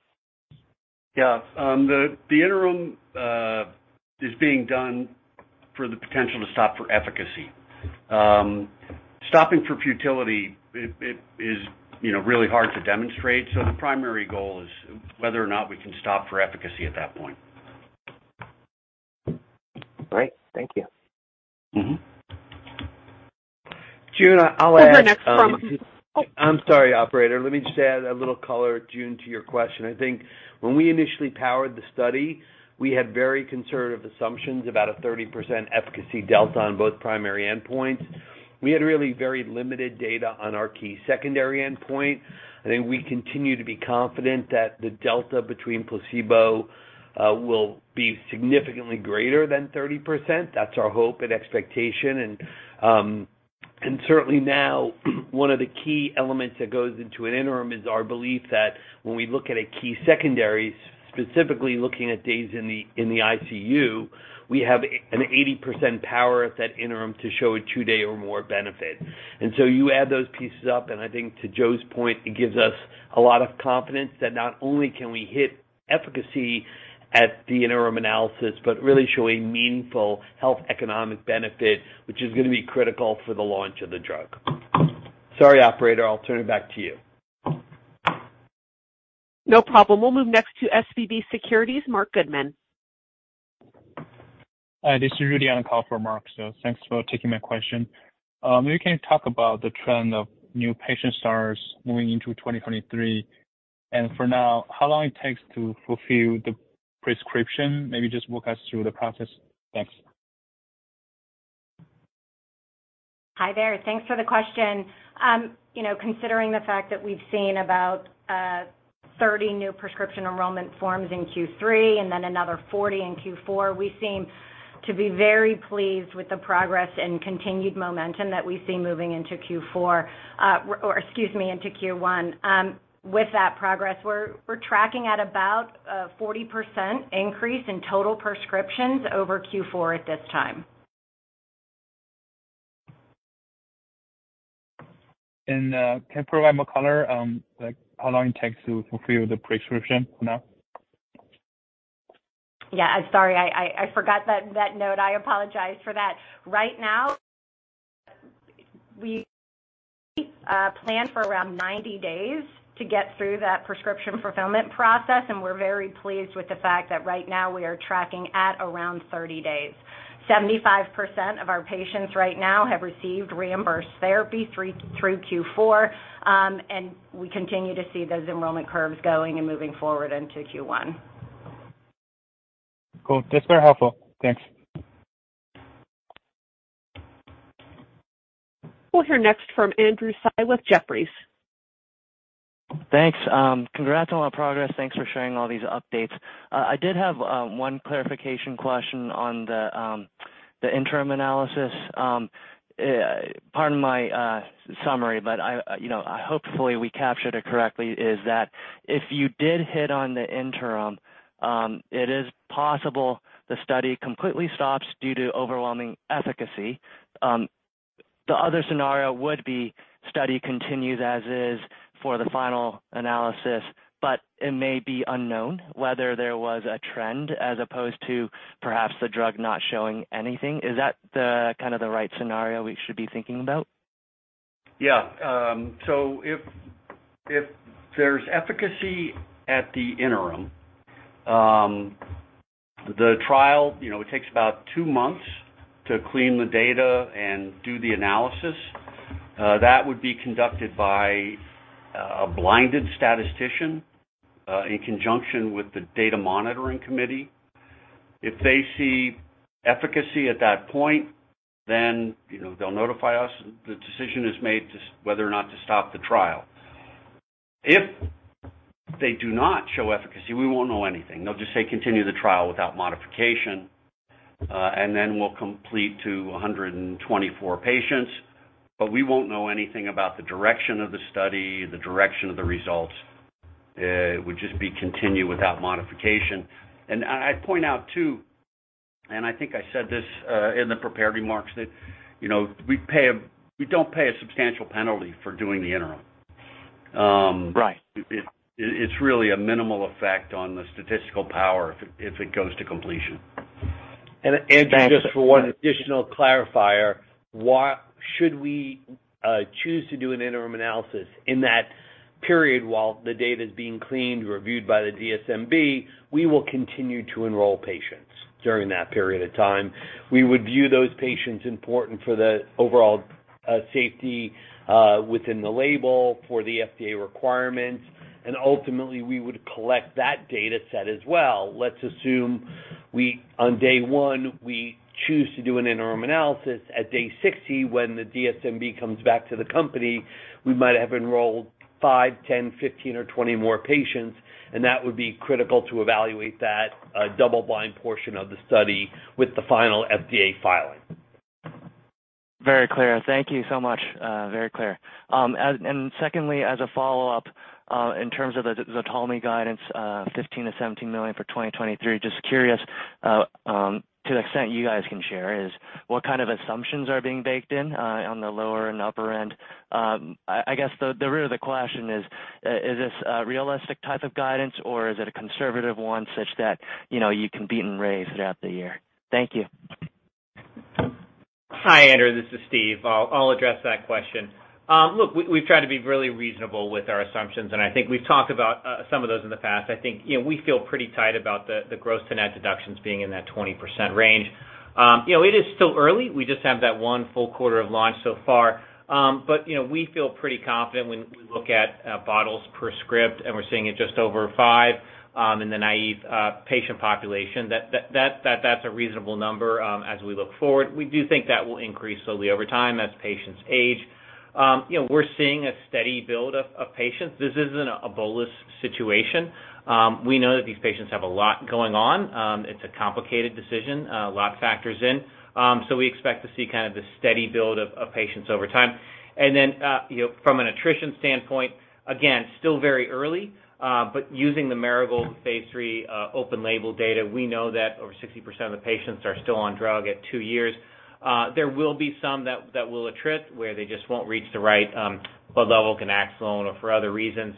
Yeah. The interim is being done for the potential to stop for efficacy. Stopping for futility, it is, you know, really hard to demonstrate. The primary goal is whether or not we can stop for efficacy at that point. Great. Thank you. Mm-hmm. Joon, I'll. We'll hear next from. I'm sorry, operator. Let me just add a little color, Joon, to your question. I think when we initially powered the study, we had very conservative assumptions, about a 30% efficacy delta on both primary endpoints. We had really very limited data on our key secondary endpoint. I think we continue to be confident that the delta between placebo, will be significantly greater than 30%. That's our hope and expectation. Certainly now one of the key elements that goes into an interim is our belief that when we look at a key secondary, specifically looking at days in the, in the ICU, we have an 80% power at that interim to show a 2-day or more benefit. You add those pieces up, and I think to Joe's point, it gives us a lot of confidence that not only can we hit efficacy at the interim analysis, but really show a meaningful health economic benefit, which is going to be critical for the launch of the drug. Sorry, operator, I'll turn it back to you. No problem. We'll move next to SVB Securities, Marc Goodman. Hi, this is Rudy on the call for Mark. Thanks for taking my question. Maybe you can talk about the trend of new patient starts moving into 2023. For now, how long it takes to fulfill the prescription? Maybe just walk us through the process. Thanks. Hi there. Thanks for the question. you know, considering the fact that we've seen about 30 new prescription enrollment forms in Q3 and then another 40 in Q4, we seem to be very pleased with the progress and continued momentum that we see moving into Q4, or excuse me, into Q1. With that progress, we're tracking at about a 40% increase in total prescriptions over Q4 at this time. Can you provide more color on, like, how long it takes to fulfill the prescription for now? Yeah. I'm sorry, I forgot that note. I apologize for that. Right now, we plan for around 90 days to get through that prescription fulfillment process, and we're very pleased with the fact that right now we are tracking at around 30 days. 75% of our patients right now have received reimbursed therapy through Q4. We continue to see those enrollment curves going and moving forward into Q1. Cool. That's very helpful. Thanks. We'll hear next from Andrew Tsai with Jefferies. Thanks. Congrats on all the progress. Thanks for sharing all these updates. I did have one clarification question on the interim analysis. Pardon my summary, but I, you know, hopefully, we captured it correctly, is that if you did hit on the interim, it is possible the study completely stops due to overwhelming efficacy. The other scenario would be study continues as is for the final analysis, but it may be unknown whether there was a trend as opposed to perhaps the drug not showing anything. Is that the, kind of the right scenario we should be thinking about? Yeah. If, if there's efficacy at the interim, the trial, you know, it takes about 2 months to clean the data and do the analysis. That would be conducted by a blinded statistician, in conjunction with the data monitoring committee. If they see efficacy at that point, you know, they'll notify us. The decision is made whether or not to stop the trial. If they do not show efficacy, we won't know anything. They'll just say, "Continue the trial without modification," then we'll complete to 124 patients. We won't know anything about the direction of the study, the direction of the results. It would just be continue without modification. I'd point out, too, and I think I said this, in the prepared remarks that, you know, we don't pay a substantial penalty for doing the interim. Right. It's really a minimal effect on the statistical power if it goes to completion. Andrew, just for one additional clarifier. Should we choose to do an interim analysis in that period while the data is being cleaned, reviewed by the DSMB, we will continue to enroll patients during that period of time. We would view those patients important for the overall safety within the label for the FDA requirements, and ultimately, we would collect that data set as well. Let's assume on day one, we choose to do an interim analysis. At day 60, when the DSMB comes back to the company, we might have enrolled 5, 10, 15 or 20 more patients, and that would be critical to evaluate that double blind portion of the study with the final FDA filing. Very clear. Thank you so much. Very clear. Secondly, as a follow-up, in terms of the ZTALMY guidance, $15 million-$17 million for 2023, just curious to the extent you guys can share is, what kind of assumptions are being baked in on the lower and upper end? I guess the root of the question is this a realistic type of guidance or is it a conservative one such that, you know, you can beat and raise throughout the year? Thank you. Hi, Andrew. This is Steve. I'll address that question. Look, we've tried to be really reasonable with our assumptions, and I think we've talked about some of those in the past. I think, you know, we feel pretty tight about the gross to net deductions being in that 20% range. You know, it is still early. We just have that one full quarter of launch so far. You know, we feel pretty confident when we look at bottles per script, and we're seeing it just over five in the naive patient population. That's a reasonable number as we look forward. We do think that will increase slowly over time as patients age. You know, we're seeing a steady build of patients. This isn't a bolus situation. We know that these patients have a lot going on. It's a complicated decision, a lot factors in. So we expect to see kind of the steady build of patients over time. Then, you know, from an attrition standpoint, again, still very early, but using the Marigold phase III open label data, we know that over 60% of the patients are still on drug at 2 years. There will be some that will attrit, where they just won't reach the right blood level ganaxolone or for other reasons.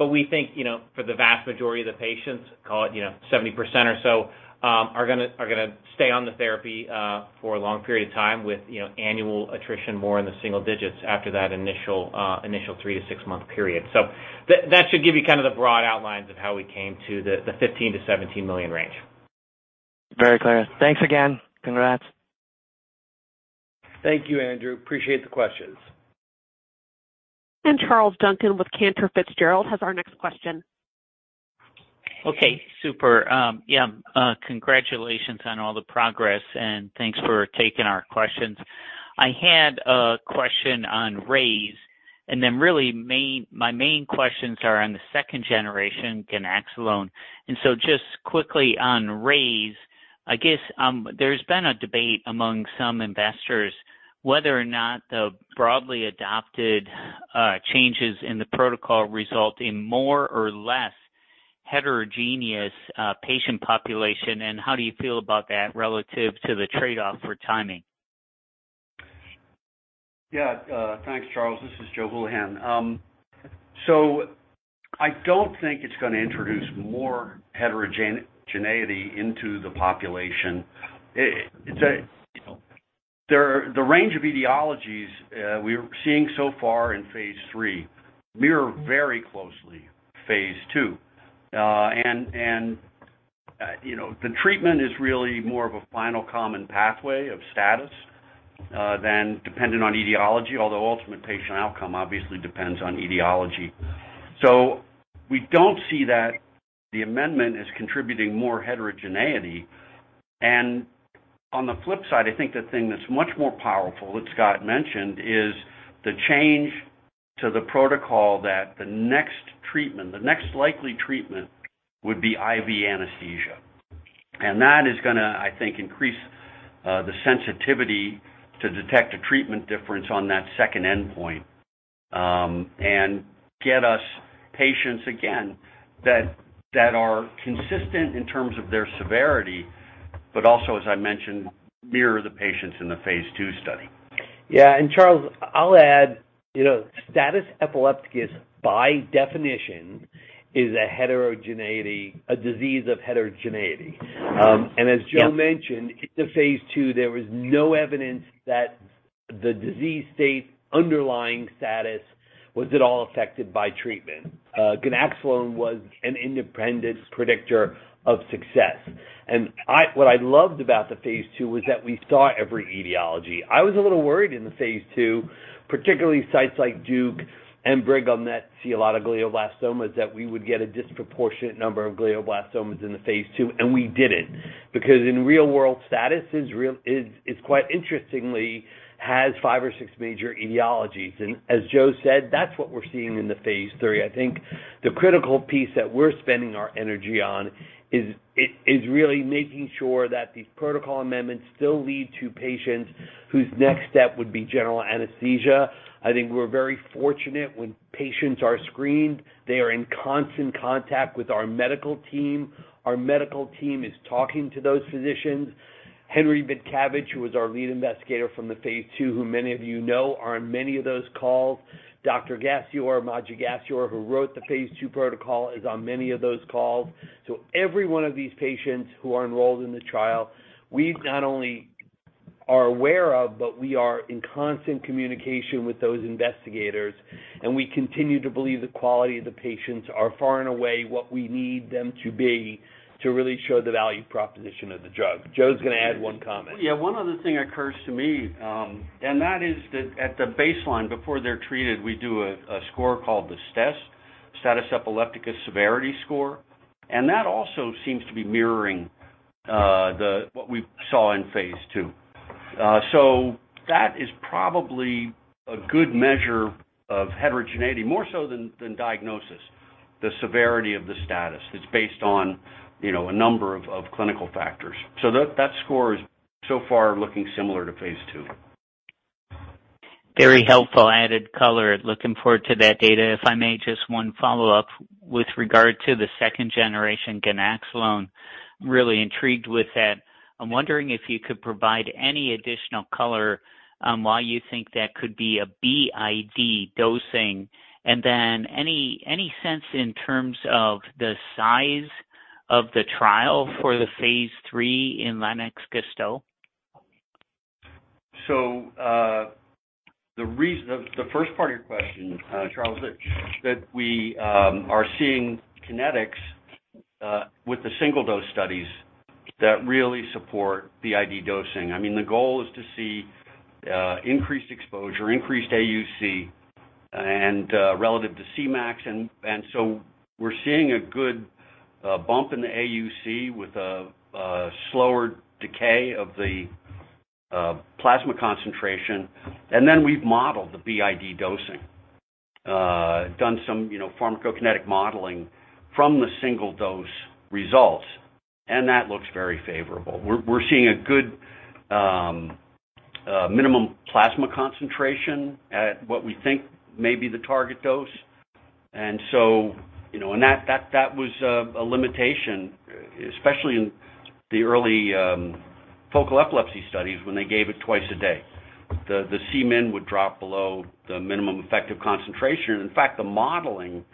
We think, you know, for the vast majority of the patients, call it, you know, 70% or so, are gonna stay on the therapy for a long period of time with, you know, annual attrition more in the single digits after that initial 3 to 6-month period. That should give you kind of the broad outlines of how we came to the $15 million-$17 million range. Very clear. Thanks again. Congrats. Thank you, Andrew. Appreciate the questions. Charles Duncan with Cantor Fitzgerald has our next question. Okay, super. Congratulations on all the progress, and thanks for taking our questions. I had a question on RAISE, and then really my main questions are on the 2nd generation ganaxolone. Just quickly on RAISE, I guess, there's been a debate among some investors whether or not the broadly adopted changes in the protocol result in more or less heterogeneous patient population, and how do you feel about that relative to the trade-off for timing? Yeah. Thanks, Charles. This is Joe Hulihan. I don't think it's gonna introduce more heterogeneity into the population. you know, The range of etiologies we're seeing so far in phase III mirror very closely phase II. You know, the treatment is really more of a final common pathway of status than dependent on etiology, although ultimate patient outcome obviously depends on etiology. We don't see that the amendment is contributing more heterogeneity. On the flip side, I think the thing that's much more powerful that Scott mentioned is the change to the protocol that the next treatment, the next likely treatment would be IV anesthesia. That is gonna, I think, increase the sensitivity to detect a treatment difference on that second endpoint, and get us patients again that are consistent in terms of their severity, but also, as I mentioned, mirror the patients in the phase II study. Yeah. Charles, I'll add, you know, status epilepticus, by definition, is a heterogeneity, a disease of heterogeneity. Yeah. -mentioned, in the phase II, there was no evidence that the disease state underlying status was at all affected by treatment. Ganaxolone was an independent predictor of success. What I loved about the phase II was that we saw every etiology. I was a little worried in the phase II, particularly sites like Duke and Brigham that see a lot of glioblastomas, that we would get a disproportionate number of glioblastomas in the phase II, and we didn't. In real-world status is real, is quite interestingly has five or six major etiologies. As Joe said, that's what we're seeing in the phase III. I think the critical piece that we're spending our energy on is really making sure that these protocol amendments still lead to patients whose next step would be general anesthesia. I think we're very fortunate when patients are screened, they are in constant contact with our medical team. Our medical team is talking to those physicians. Henrikas Vaitkevicius, who was our lead investigator from the phase II, who many of you know are on many of those calls. Dr. Gasior, Maciej, who wrote the phase II protocol, is on many of those calls. Every one of these patients who are enrolled in the trial, we not only are aware of, but we are in constant communication with those investigators, and we continue to believe the quality of the patients are far and away what we need them to be to really show the value proposition of the drug. Joe's gonna add one comment. Yeah. One other thing occurs to me. That is that at the baseline, before they're treated, we do a score called the STESS, Status Epilepticus Severity Score, and that also seems to be mirroring what we saw in phase II. That is probably a good measure of heterogeneity, more so than diagnosis, the severity of the status. It's based on, you know, a number of clinical factors. That score is so far looking similar to phase II. Very helpful added color. Looking forward to that data. If I may, just one follow-up with regard to the second generation ganaxolone. Really intrigued with that. I'm wondering if you could provide any additional color on why you think that could be a BID dosing. Any sense in terms of the size of the trial for the phase III in Lennox-Gastaut? The first part of your question, Charles, is that we are seeing kinetics with the single-dose studies that really support the ID dosing. I mean, the goal is to see increased exposure, increased AUC. And relative to Cmax. We're seeing a good bump in the AUC with a slower decay of the plasma concentration. We've modeled the BID dosing. Done some, you know, pharmacokinetic modeling from the single-dose results, and that looks very favorable. We're seeing a good minimum plasma concentration at what we think may be the target dose. You know, and that was a limitation, especially in the early focal epilepsy studies when they gave it twice a day. The Cmin would drop below the minimum effective concentration. In fact, the modeling,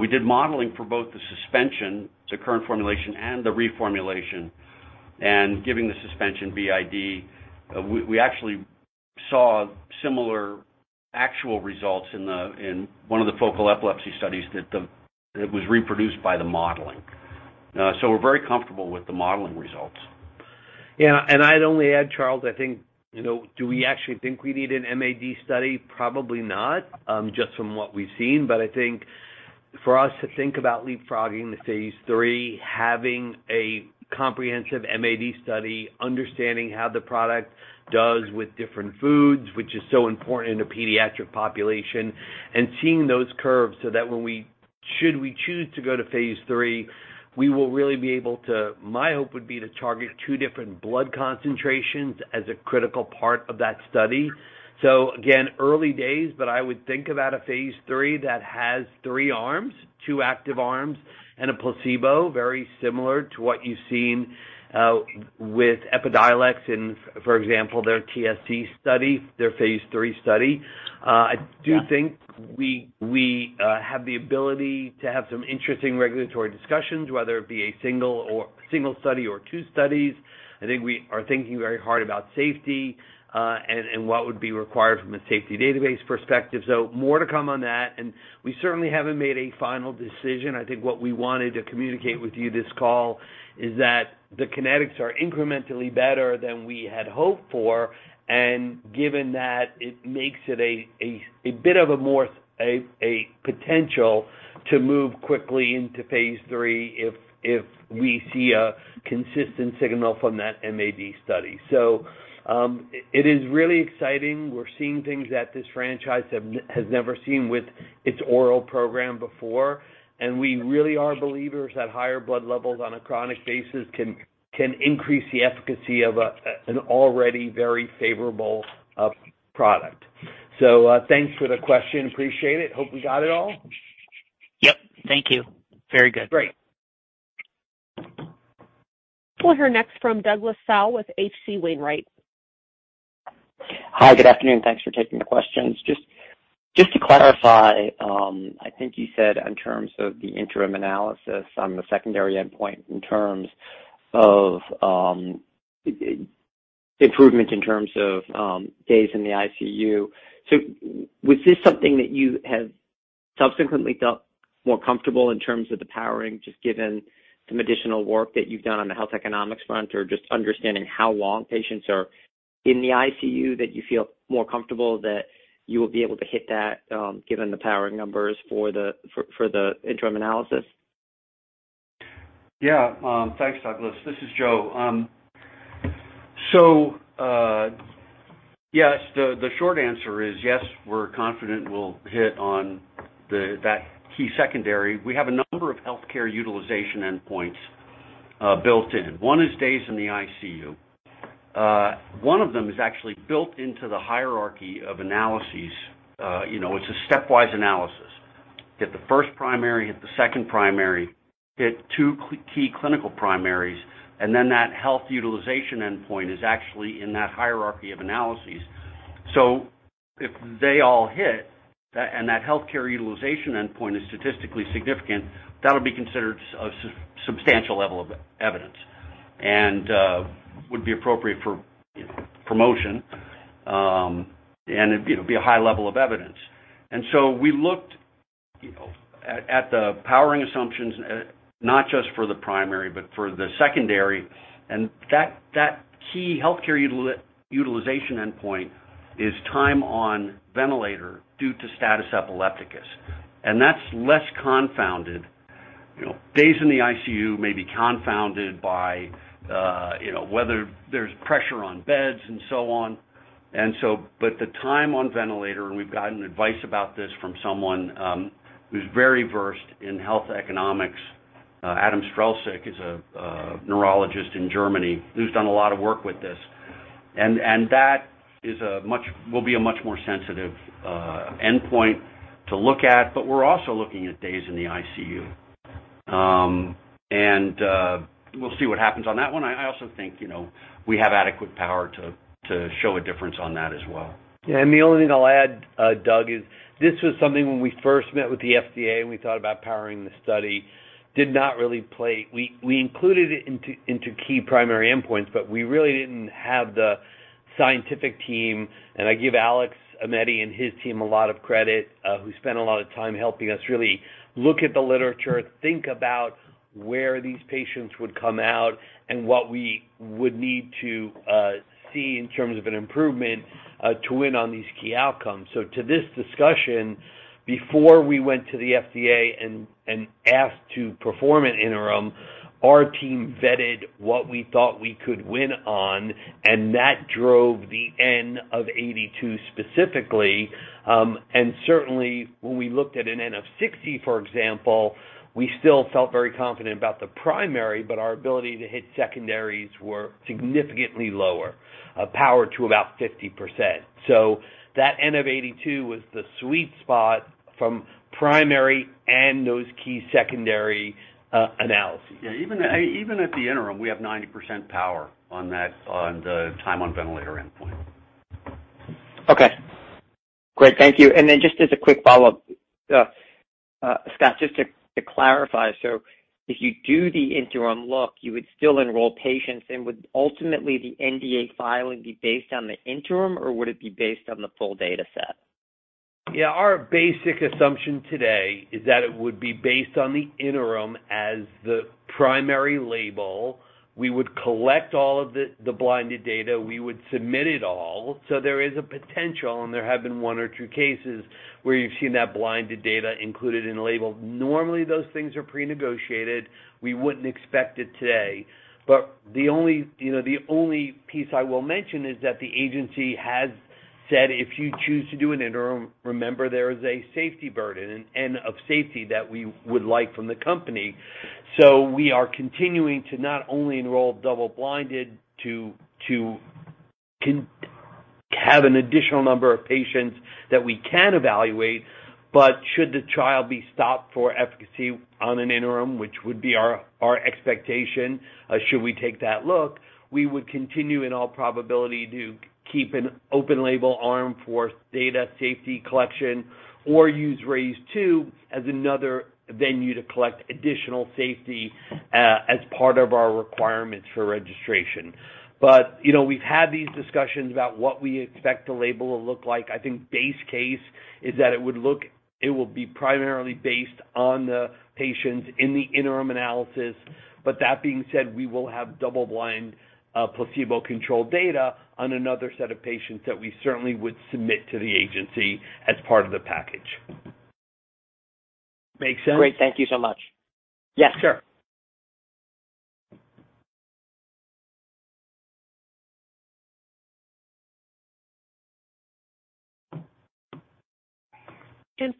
we did modeling for both the suspension, the current formulation, and the reformulation. Giving the suspension BID, we actually saw similar actual results in one of the focal epilepsy studies that was reproduced by the modeling. We're very comfortable with the modeling results. Yeah. I'd only add, Charles, I think, you know, do we actually think we need an MAD study? Probably not, just from what we've seen. I think for us to think about leapfrogging the phase III, having a comprehensive MAD study, understanding how the product does with different foods, which is so important in a pediatric population, and seeing those curves so that should we choose to go to phase III, we will really be able to, my hope would be to target 2 different blood concentrations as a critical part of that study. Again, early days, but I would think about a phase III that has 3 arms, 2 active arms, and a placebo, very similar to what you've seen with Epidiolex in, for example, their TSC study, their phase III study. Yeah. I do think we have the ability to have some interesting regulatory discussions, whether it be a single study or two studies. I think we are thinking very hard about safety, and what would be required from a safety database perspective. More to come on that, and we certainly haven't made a final decision. I think what we wanted to communicate with you this call is that the kinetics are incrementally better than we had hoped for. Given that, it makes it a bit of a more potential to move quickly into phase III if we see a consistent signal from that MAD study. It is really exciting. We're seeing things that this franchise has never seen with its oral program before, and we really are believers that higher blood levels on a chronic basis can increase the efficacy of an already very favorable product. Thanks for the question. Appreciate it. Hope we got it all. Yep. Thank you. Very good. Great. We'll hear next from Douglas Tsao with H.C. Wainwright. Hi. Good afternoon. Thanks for taking the questions. Just to clarify, I think you said in terms of the interim analysis on the secondary endpoint in terms of improvement in terms of days in the ICU. Was this something that you have subsequently felt more comfortable in terms of the powering, just given some additional work that you've done on the health economics front, or just understanding how long patients are in the ICU that you feel more comfortable that you will be able to hit that, given the powering numbers for the interim analysis? Yeah. Thanks, Douglas. This is Joe. Yes, the short answer is yes, we're confident we'll hit on that key secondary. We have a number of healthcare utilization endpoints built in. One is days in the ICU. One of them is actually built into the hierarchy of analyses. You know, it's a stepwise analysis. Hit the first primary, hit the second primary, hit two key clinical primaries, and then that health utilization endpoint is actually in that hierarchy of analyses. If they all hit, and that healthcare utilization endpoint is statistically significant, that'll be considered a substantial level of evidence, and would be appropriate for, you know, promotion. And it'd, you know, be a high level of evidence. We looked, you know, at the powering assumptions, not just for the primary but for the secondary. That key healthcare utilization endpoint is time on ventilator due to status epilepticus, and that's less confounded. You know, days in the ICU may be confounded by, you know, whether there's pressure on beds and so on. But the time on ventilator, and we've gotten advice about this from someone who's very versed in health economics, Adam Strzelczyk is a neurologist in Germany who's done a lot of work with this. That is a much will be a much more sensitive endpoint to look at, but we're also looking at days in the ICU. We'll see what happens on that one. I also think, you know, we have adequate power to show a difference on that as well. Yeah. And the only thing I'll add, Doug, is this was something when we first met with the FDA and we thought about powering the study, did not really play. We included it into key primary endpoints, but we really didn't have the scientific team, and I give Alexandre Azoulay and his team a lot of credit, who spent a lot of time helping us really look at the literature, think about where these patients would come out and what we would need to see in terms of an improvement to win on these key outcomes. To this discussion, before we went to the FDA and asked to perform an interim, our team vetted what we thought we could win on, and that drove the N of 82 specifically. Certainly when we looked at an N of 60, for example, we still felt very confident about the primary, but our ability to hit secondaries were significantly lower, power to about 50%. That N of 82 was the sweet spot from primary and those key secondary analyses. Yeah. Even at the interim, we have 90% power on that, on the time on ventilator endpoint. Okay. Great. Thank you. Just as a quick follow-up, Scott, to clarify. If you do the interim look, you would still enroll patients, and would ultimately the NDA filing be based on the interim, or would it be based on the full data set? Yeah. Our basic assumption today is that it would be based on the interim as the primary label. We would collect all of the blinded data. We would submit it all. There is a potential, and there have been 1 or 2 cases where you've seen that blinded data included in the label. Normally, those things are prenegotiated. We wouldn't expect it today. The only, you know, the only piece I will mention is that the agency has said if you choose to do an interim, remember there is a safety burden, an N of safety that we would like from the company. We are continuing to not only enroll double-blinded to have an additional number of patients that we can evaluate, but should the trial be stopped for efficacy on an interim, which would be our expectation, should we take that look, we would continue in all probability to keep an open label arm for data safety collection or use RAISE II as another venue to collect additional safety as part of our requirements for registration. You know, we've had these discussions about what we expect the label will look like. I think base case is that it will be primarily based on the patients in the interim analysis. That being said, we will have double-blind, placebo-controlled data on another set of patients that we certainly would submit to the agency as part of the package. Make sense? Great. Thank you so much. Yeah, sure.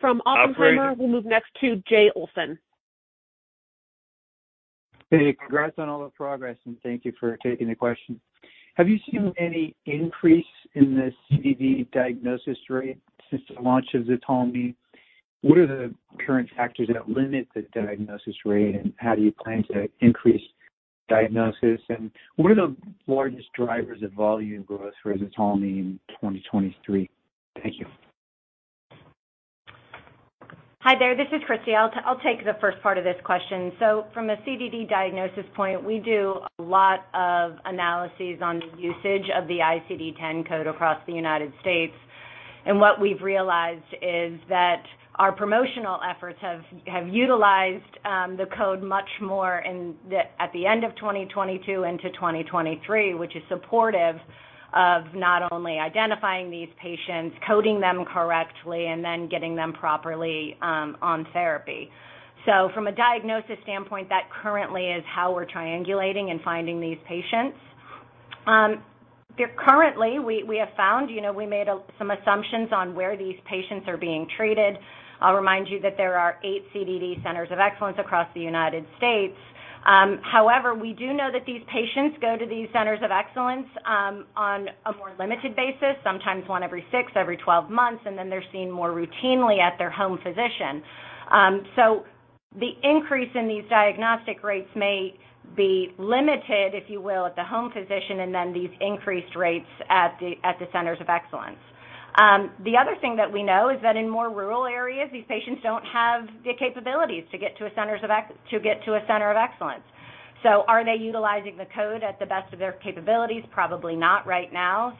From Operator. we'll move next to Jay Olson. Hey, congrats on all the progress. Thank you for taking the question. Have you seen any increase in the CDD diagnosis rate since the launch of ZTALMY? What are the current factors that limit the diagnosis rate and how do you plan to increase diagnosis? What are the largest drivers of volume growth for ZTALMY in 2023? Thank you. Hi there. This is Christy. I'll take the first part of this question. From a CDD diagnosis point, we do a lot of analyses on the usage of the ICD-10 code across the United States. What we've realized is that our promotional efforts have utilized the code much more at the end of 2022 into 2023, which is supportive of not only identifying these patients, coding them correctly, and then getting them properly on therapy. From a diagnosis standpoint, that currently is how we're triangulating and finding these patients. currently, we have found, you know, we made some assumptions on where these patients are being treated. I'll remind you that there are eight CDD Centers of Excellence across the United States. However, we do know that these patients go to these Centers of Excellence on a more limited basis, sometimes one every six, every 12 months, and then they're seen more routinely at their home physician. The increase in these diagnostic rates may be limited, if you will, at the home physician and then these increased rates at the Centers of Excellence. The other thing that we know is that in more rural areas, these patients don't have the capabilities to get to a Center of Excellence. Are they utilizing the code at the best of their capabilities? Probably not right now.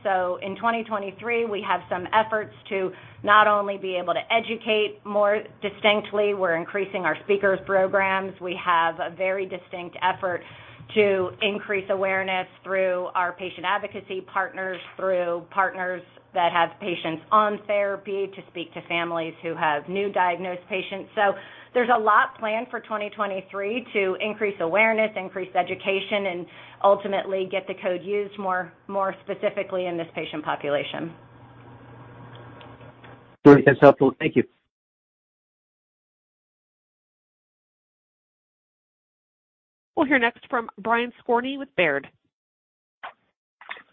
In 2023, we have some efforts to not only be able to educate more distinctly. We're increasing our speakers programs. We have a very distinct effort to increase awareness through our patient advocacy partners, through partners that have patients on therapy to speak to families who have new diagnosed patients. There's a lot planned for 2023 to increase awareness, increase education and ultimately get the code used more specifically in this patient population. Great. That's helpful. Thank you. We'll hear next from Brian Skorney with Baird.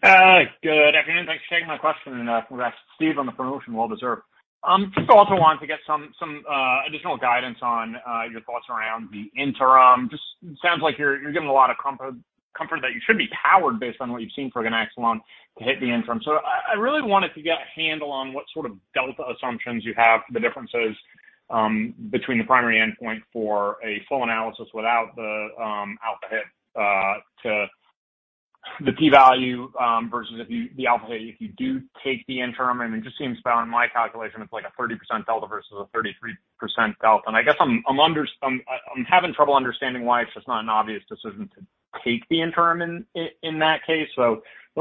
Good afternoon. Thanks for taking my question. Congrats to Steve on the promotion, well deserved. Also wanted to get some additional guidance on your thoughts around the interim. Sounds like you're given a lot of comfort that you should be powered based on what you've seen for ganaxolone to hit the interim. I really wanted to get a handle on what sort of delta assumptions you have, the differences Between the primary endpoint for a full analysis without the alpha hit to the P-value versus if you do take the interim. It just seems about in my calculation, it's like a 30% delta versus a 33% delta. I guess I'm having trouble understanding why it's just not an obvious decision to take the interim in that case. Really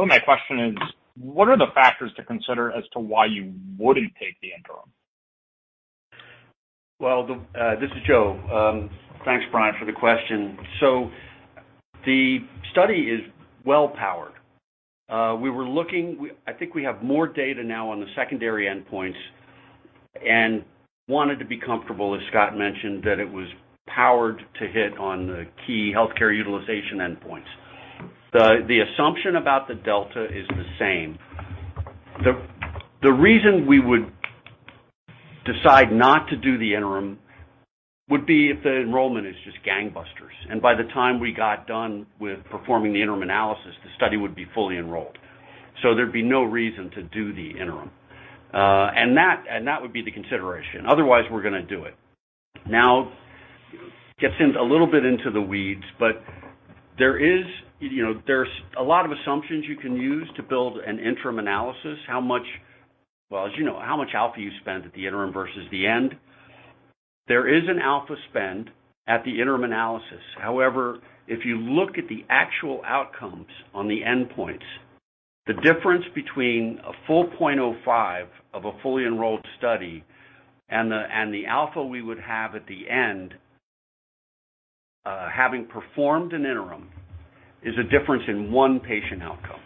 my question is: what are the factors to consider as to why you wouldn't take the interim? Well, this is Joe. Thanks, Brian, for the question. The study is well powered. We, I think we have more data now on the secondary endpoints and wanted to be comfortable, as Scott mentioned, that it was powered to hit on the key healthcare utilization endpoints. The assumption about the delta is the same. The reason we would decide not to do the interim would be if the enrollment is just gangbusters, and by the time we got done with performing the interim analysis, the study would be fully enrolled. There'd be no reason to do the interim. And that would be the consideration. Otherwise, we're gonna do it. Gets in a little bit into the weeds, but there is, you know, there's a lot of assumptions you can use to build an interim analysis. Well, as you know, how much alpha you spend at the interim versus the end. There is an alpha spend at the interim analysis. However, if you look at the actual outcomes on the endpoints, the difference between a 4.05 of a fully enrolled study and the, and the alpha we would have at the end, having performed an interim, is a difference in 1 patient outcome.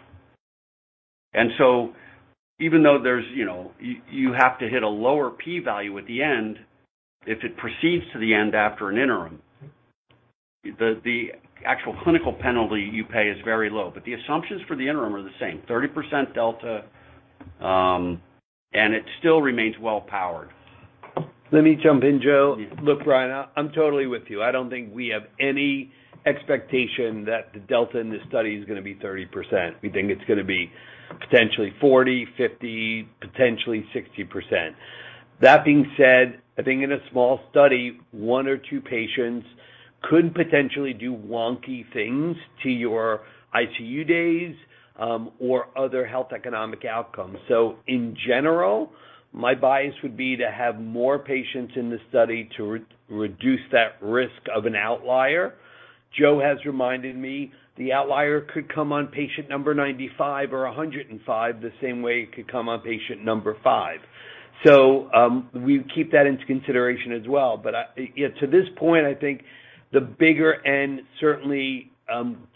Even though there's, you know, you have to hit a lower P-value at the end, if it proceeds to the end after an interim, the actual clinical penalty you pay is very low. The assumptions for the interim are the same, 30% delta, and it still remains well powered. Let me jump in, Joe. Yeah. Brian, I'm totally with you. I don't think we have any expectation that the delta in this study is gonna be 30%. We think it's gonna be potentially 40%, 50%, potentially 60%. That being said, I think in a small study, one or two patients could potentially do wonky things to your ICU days or other health economic outcomes. In general, my bias would be to have more patients in the study to re-reduce that risk of an outlier. Joe has reminded me the outlier could come on patient number 95 or 105, the same way it could come on patient number 5. We keep that into consideration as well. To this point, I think the bigger end certainly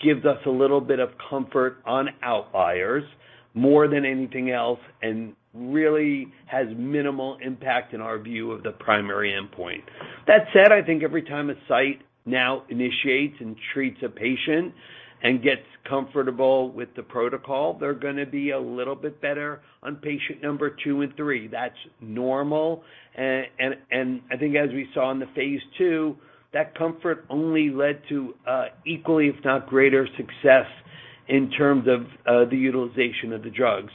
gives us a little bit of comfort on outliers more than anything else, and really has minimal impact in our view of the primary endpoint. That said, I think every time a site now initiates and treats a patient and gets comfortable with the protocol, they're gonna be a little bit better on patient number two and three. That's normal. I think as we saw in the phase II, that comfort only led to equally if not greater success in terms of the utilization of the drug.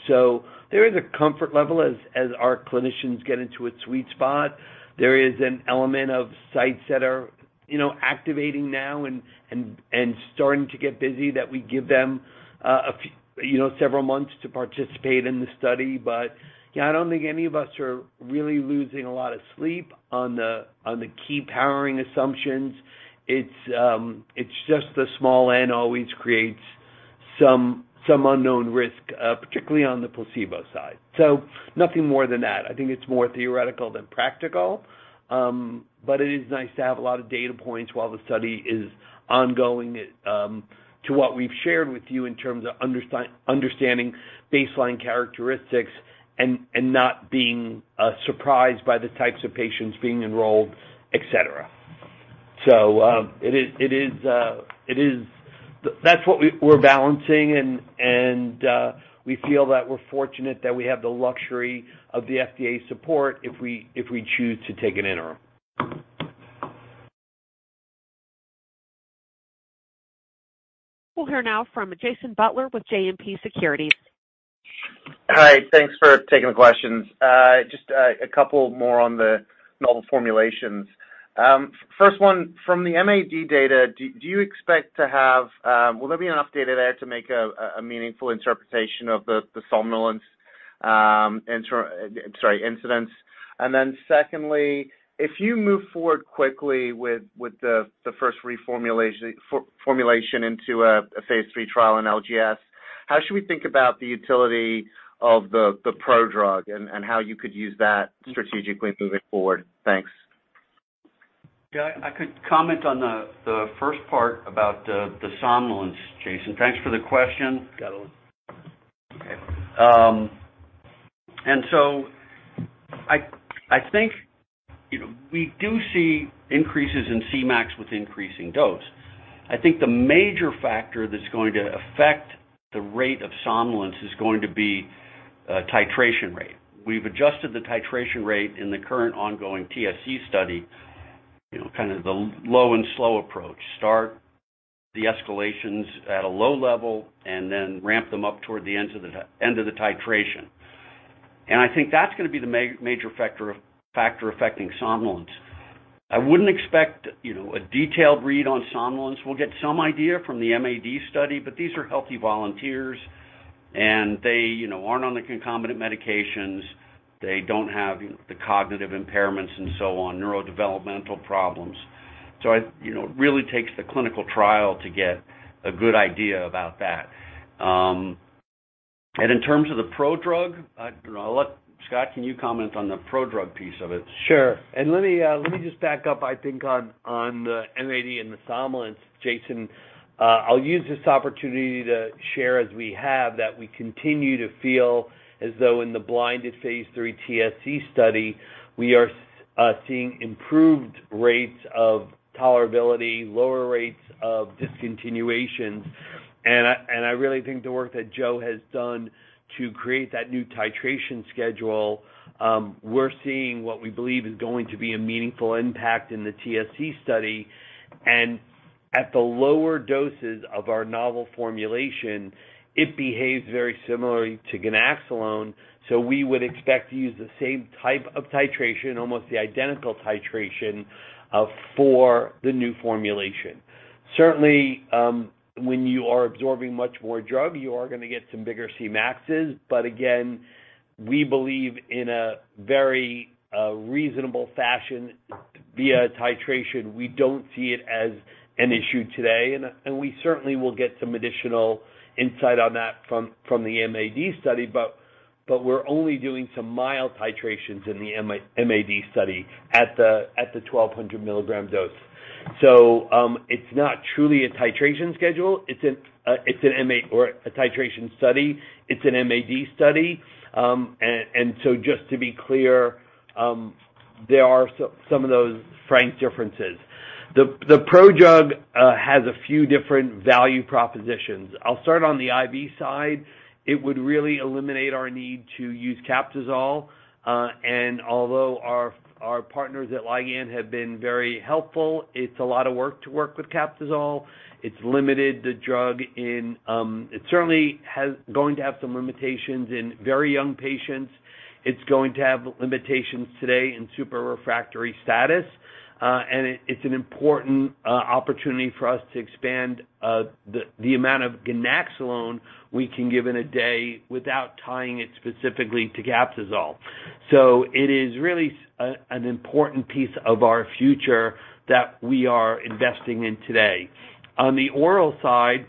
There is a comfort level as our clinicians get into a sweet spot. There is an element of sites that are, you know, activating now and starting to get busy that we give them a few, you know, several months to participate in the study. Yeah, I don't think any of us are really losing a lot of sleep on the, on the key powering assumptions. It's just the small n always creates some unknown risk, particularly on the placebo side. Nothing more than that. I think it's more theoretical than practical, but it is nice to have a lot of data points while the study is ongoing, to what we've shared with you in terms of understanding baseline characteristics and not being surprised by the types of patients being enrolled, et cetera. It is... That's what we're balancing and, we feel that we're fortunate that we have the luxury of the FDA's support if we, if we choose to take an interim. We'll hear now from Jason Butler with JMP Securities. Hi. Thanks for taking the questions. Just a couple more on the novel formulations. First one, from the MAD data, do you expect to have? Will there be enough data there to make a meaningful interpretation of the somnolence, sorry, incidence? Secondly, if you move forward quickly with the first reformulation into a phase III trial in LGS, how should we think about the utility of the prodrug and how you could use that strategically moving forward? Thanks. Yeah. I could comment on the first part about the somnolence, Jason. Thanks for the question. Got it. Okay. I think, you know, we do see increases in Cmax with increasing dose. I think the major factor that's going to affect the rate of somnolence is going to be titration rate. We've adjusted the titration rate in the current ongoing TSC study, you know, kind of the low and slow approach. The escalations at a low level and then ramp them up toward the end of the titration. I think that's gonna be the major factor affecting somnolence. I wouldn't expect, you know, a detailed read on somnolence. We'll get some idea from the MAD study, these are healthy volunteers, and they, you know, aren't on the concomitant medications. They don't have the cognitive impairments and so on, neurodevelopmental problems. You know, really takes the clinical trial to get a good idea about that. In terms of the prodrug, Scott, can you comment on the prodrug piece of it? Sure. Let me just back up, I think, on the MAD and the somnolence, Jason. I'll use this opportunity to share as we have that we continue to feel as though in the blinded phase III TSC study, we are seeing improved rates of tolerability, lower rates of discontinuations. I really think the work that Joe has done to create that new titration schedule, we're seeing what we believe is going to be a meaningful impact in the TSC study. At the lower doses of our novel formulation, it behaves very similarly to ganaxolone, so we would expect to use the same type of titration, almost the identical titration, for the new formulation. Certainly, when you are absorbing much more drug, you are gonna get some bigger Cmaxes. Again, we believe in a very reasonable fashion via titration, we don't see it as an issue today. We certainly will get some additional insight on that from the MAD study, we're only doing some mild titrations in the MAD study at the 1,200 mg dose. It's not truly a titration schedule. It's an or a titration study. It's an MAD study. Just to be clear, there are some of those frank differences. The prodrug has a few different value propositions. I'll start on the IV side. It would really eliminate our need to use Captisol. Although our partners at Ligand have been very helpful, it's a lot of work to work with Captisol. It's limited the drug in... it certainly going to have some limitations in very young patients. It's going to have limitations today in super refractory status. It's an important opportunity for us to expand the amount of ganaxolone we can give in a day without tying it specifically to Captisol. It is really an important piece of our future that we are investing in today. On the oral side,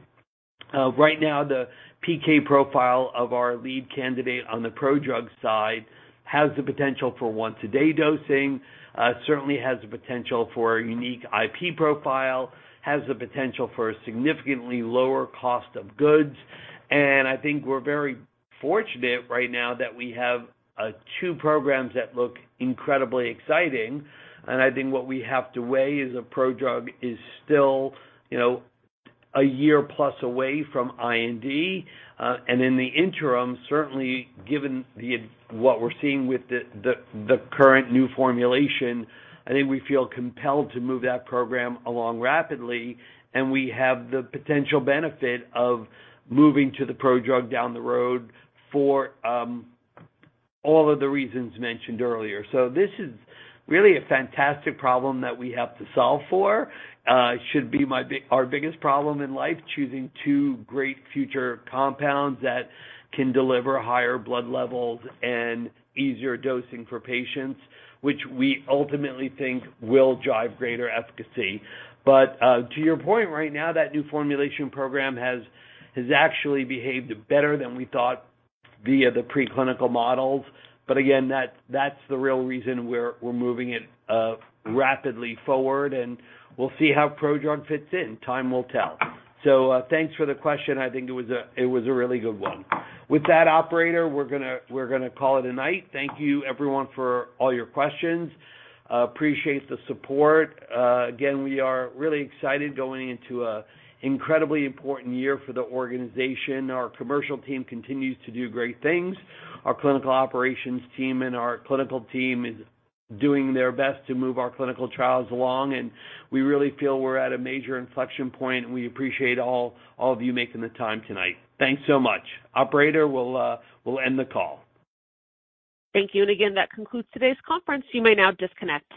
right now the PK profile of our lead candidate on the prodrug side has the potential for once a day dosing. It certainly has the potential for a unique IP profile, has the potential for a significantly lower cost of goods. I think we're very fortunate right now that we have two programs that look incredibly exciting. I think what we have to weigh is a prodrug is still, you know, a year plus away from IND. In the interim, certainly given what we're seeing with the current new formulation, I think we feel compelled to move that program along rapidly, and we have the potential benefit of moving to the prodrug down the road for all of the reasons mentioned earlier. This is really a fantastic problem that we have to solve for. It should be our biggest problem in life, choosing 2 great future compounds that can deliver higher blood levels and easier dosing for patients, which we ultimately think will drive greater efficacy. To your point, right now that new formulation program has actually behaved better than we thought via the preclinical models. Again, that's the real reason we're moving it rapidly forward, and we'll see how prodrug fits in. Time will tell. Thanks for the question. I think it was a really good one. With that, operator, we're gonna call it a night. Thank you everyone for all your questions. Appreciate the support. Again, we are really excited going into a incredibly important year for the organization. Our commercial team continues to do great things. Our clinical operations team and our clinical team is doing their best to move our clinical trials along, and we really feel we're at a major inflection point, and we appreciate all of you making the time tonight. Thanks so much. Operator, we'll end the call. Thank you. Again, that concludes today's conference. You may now disconnect.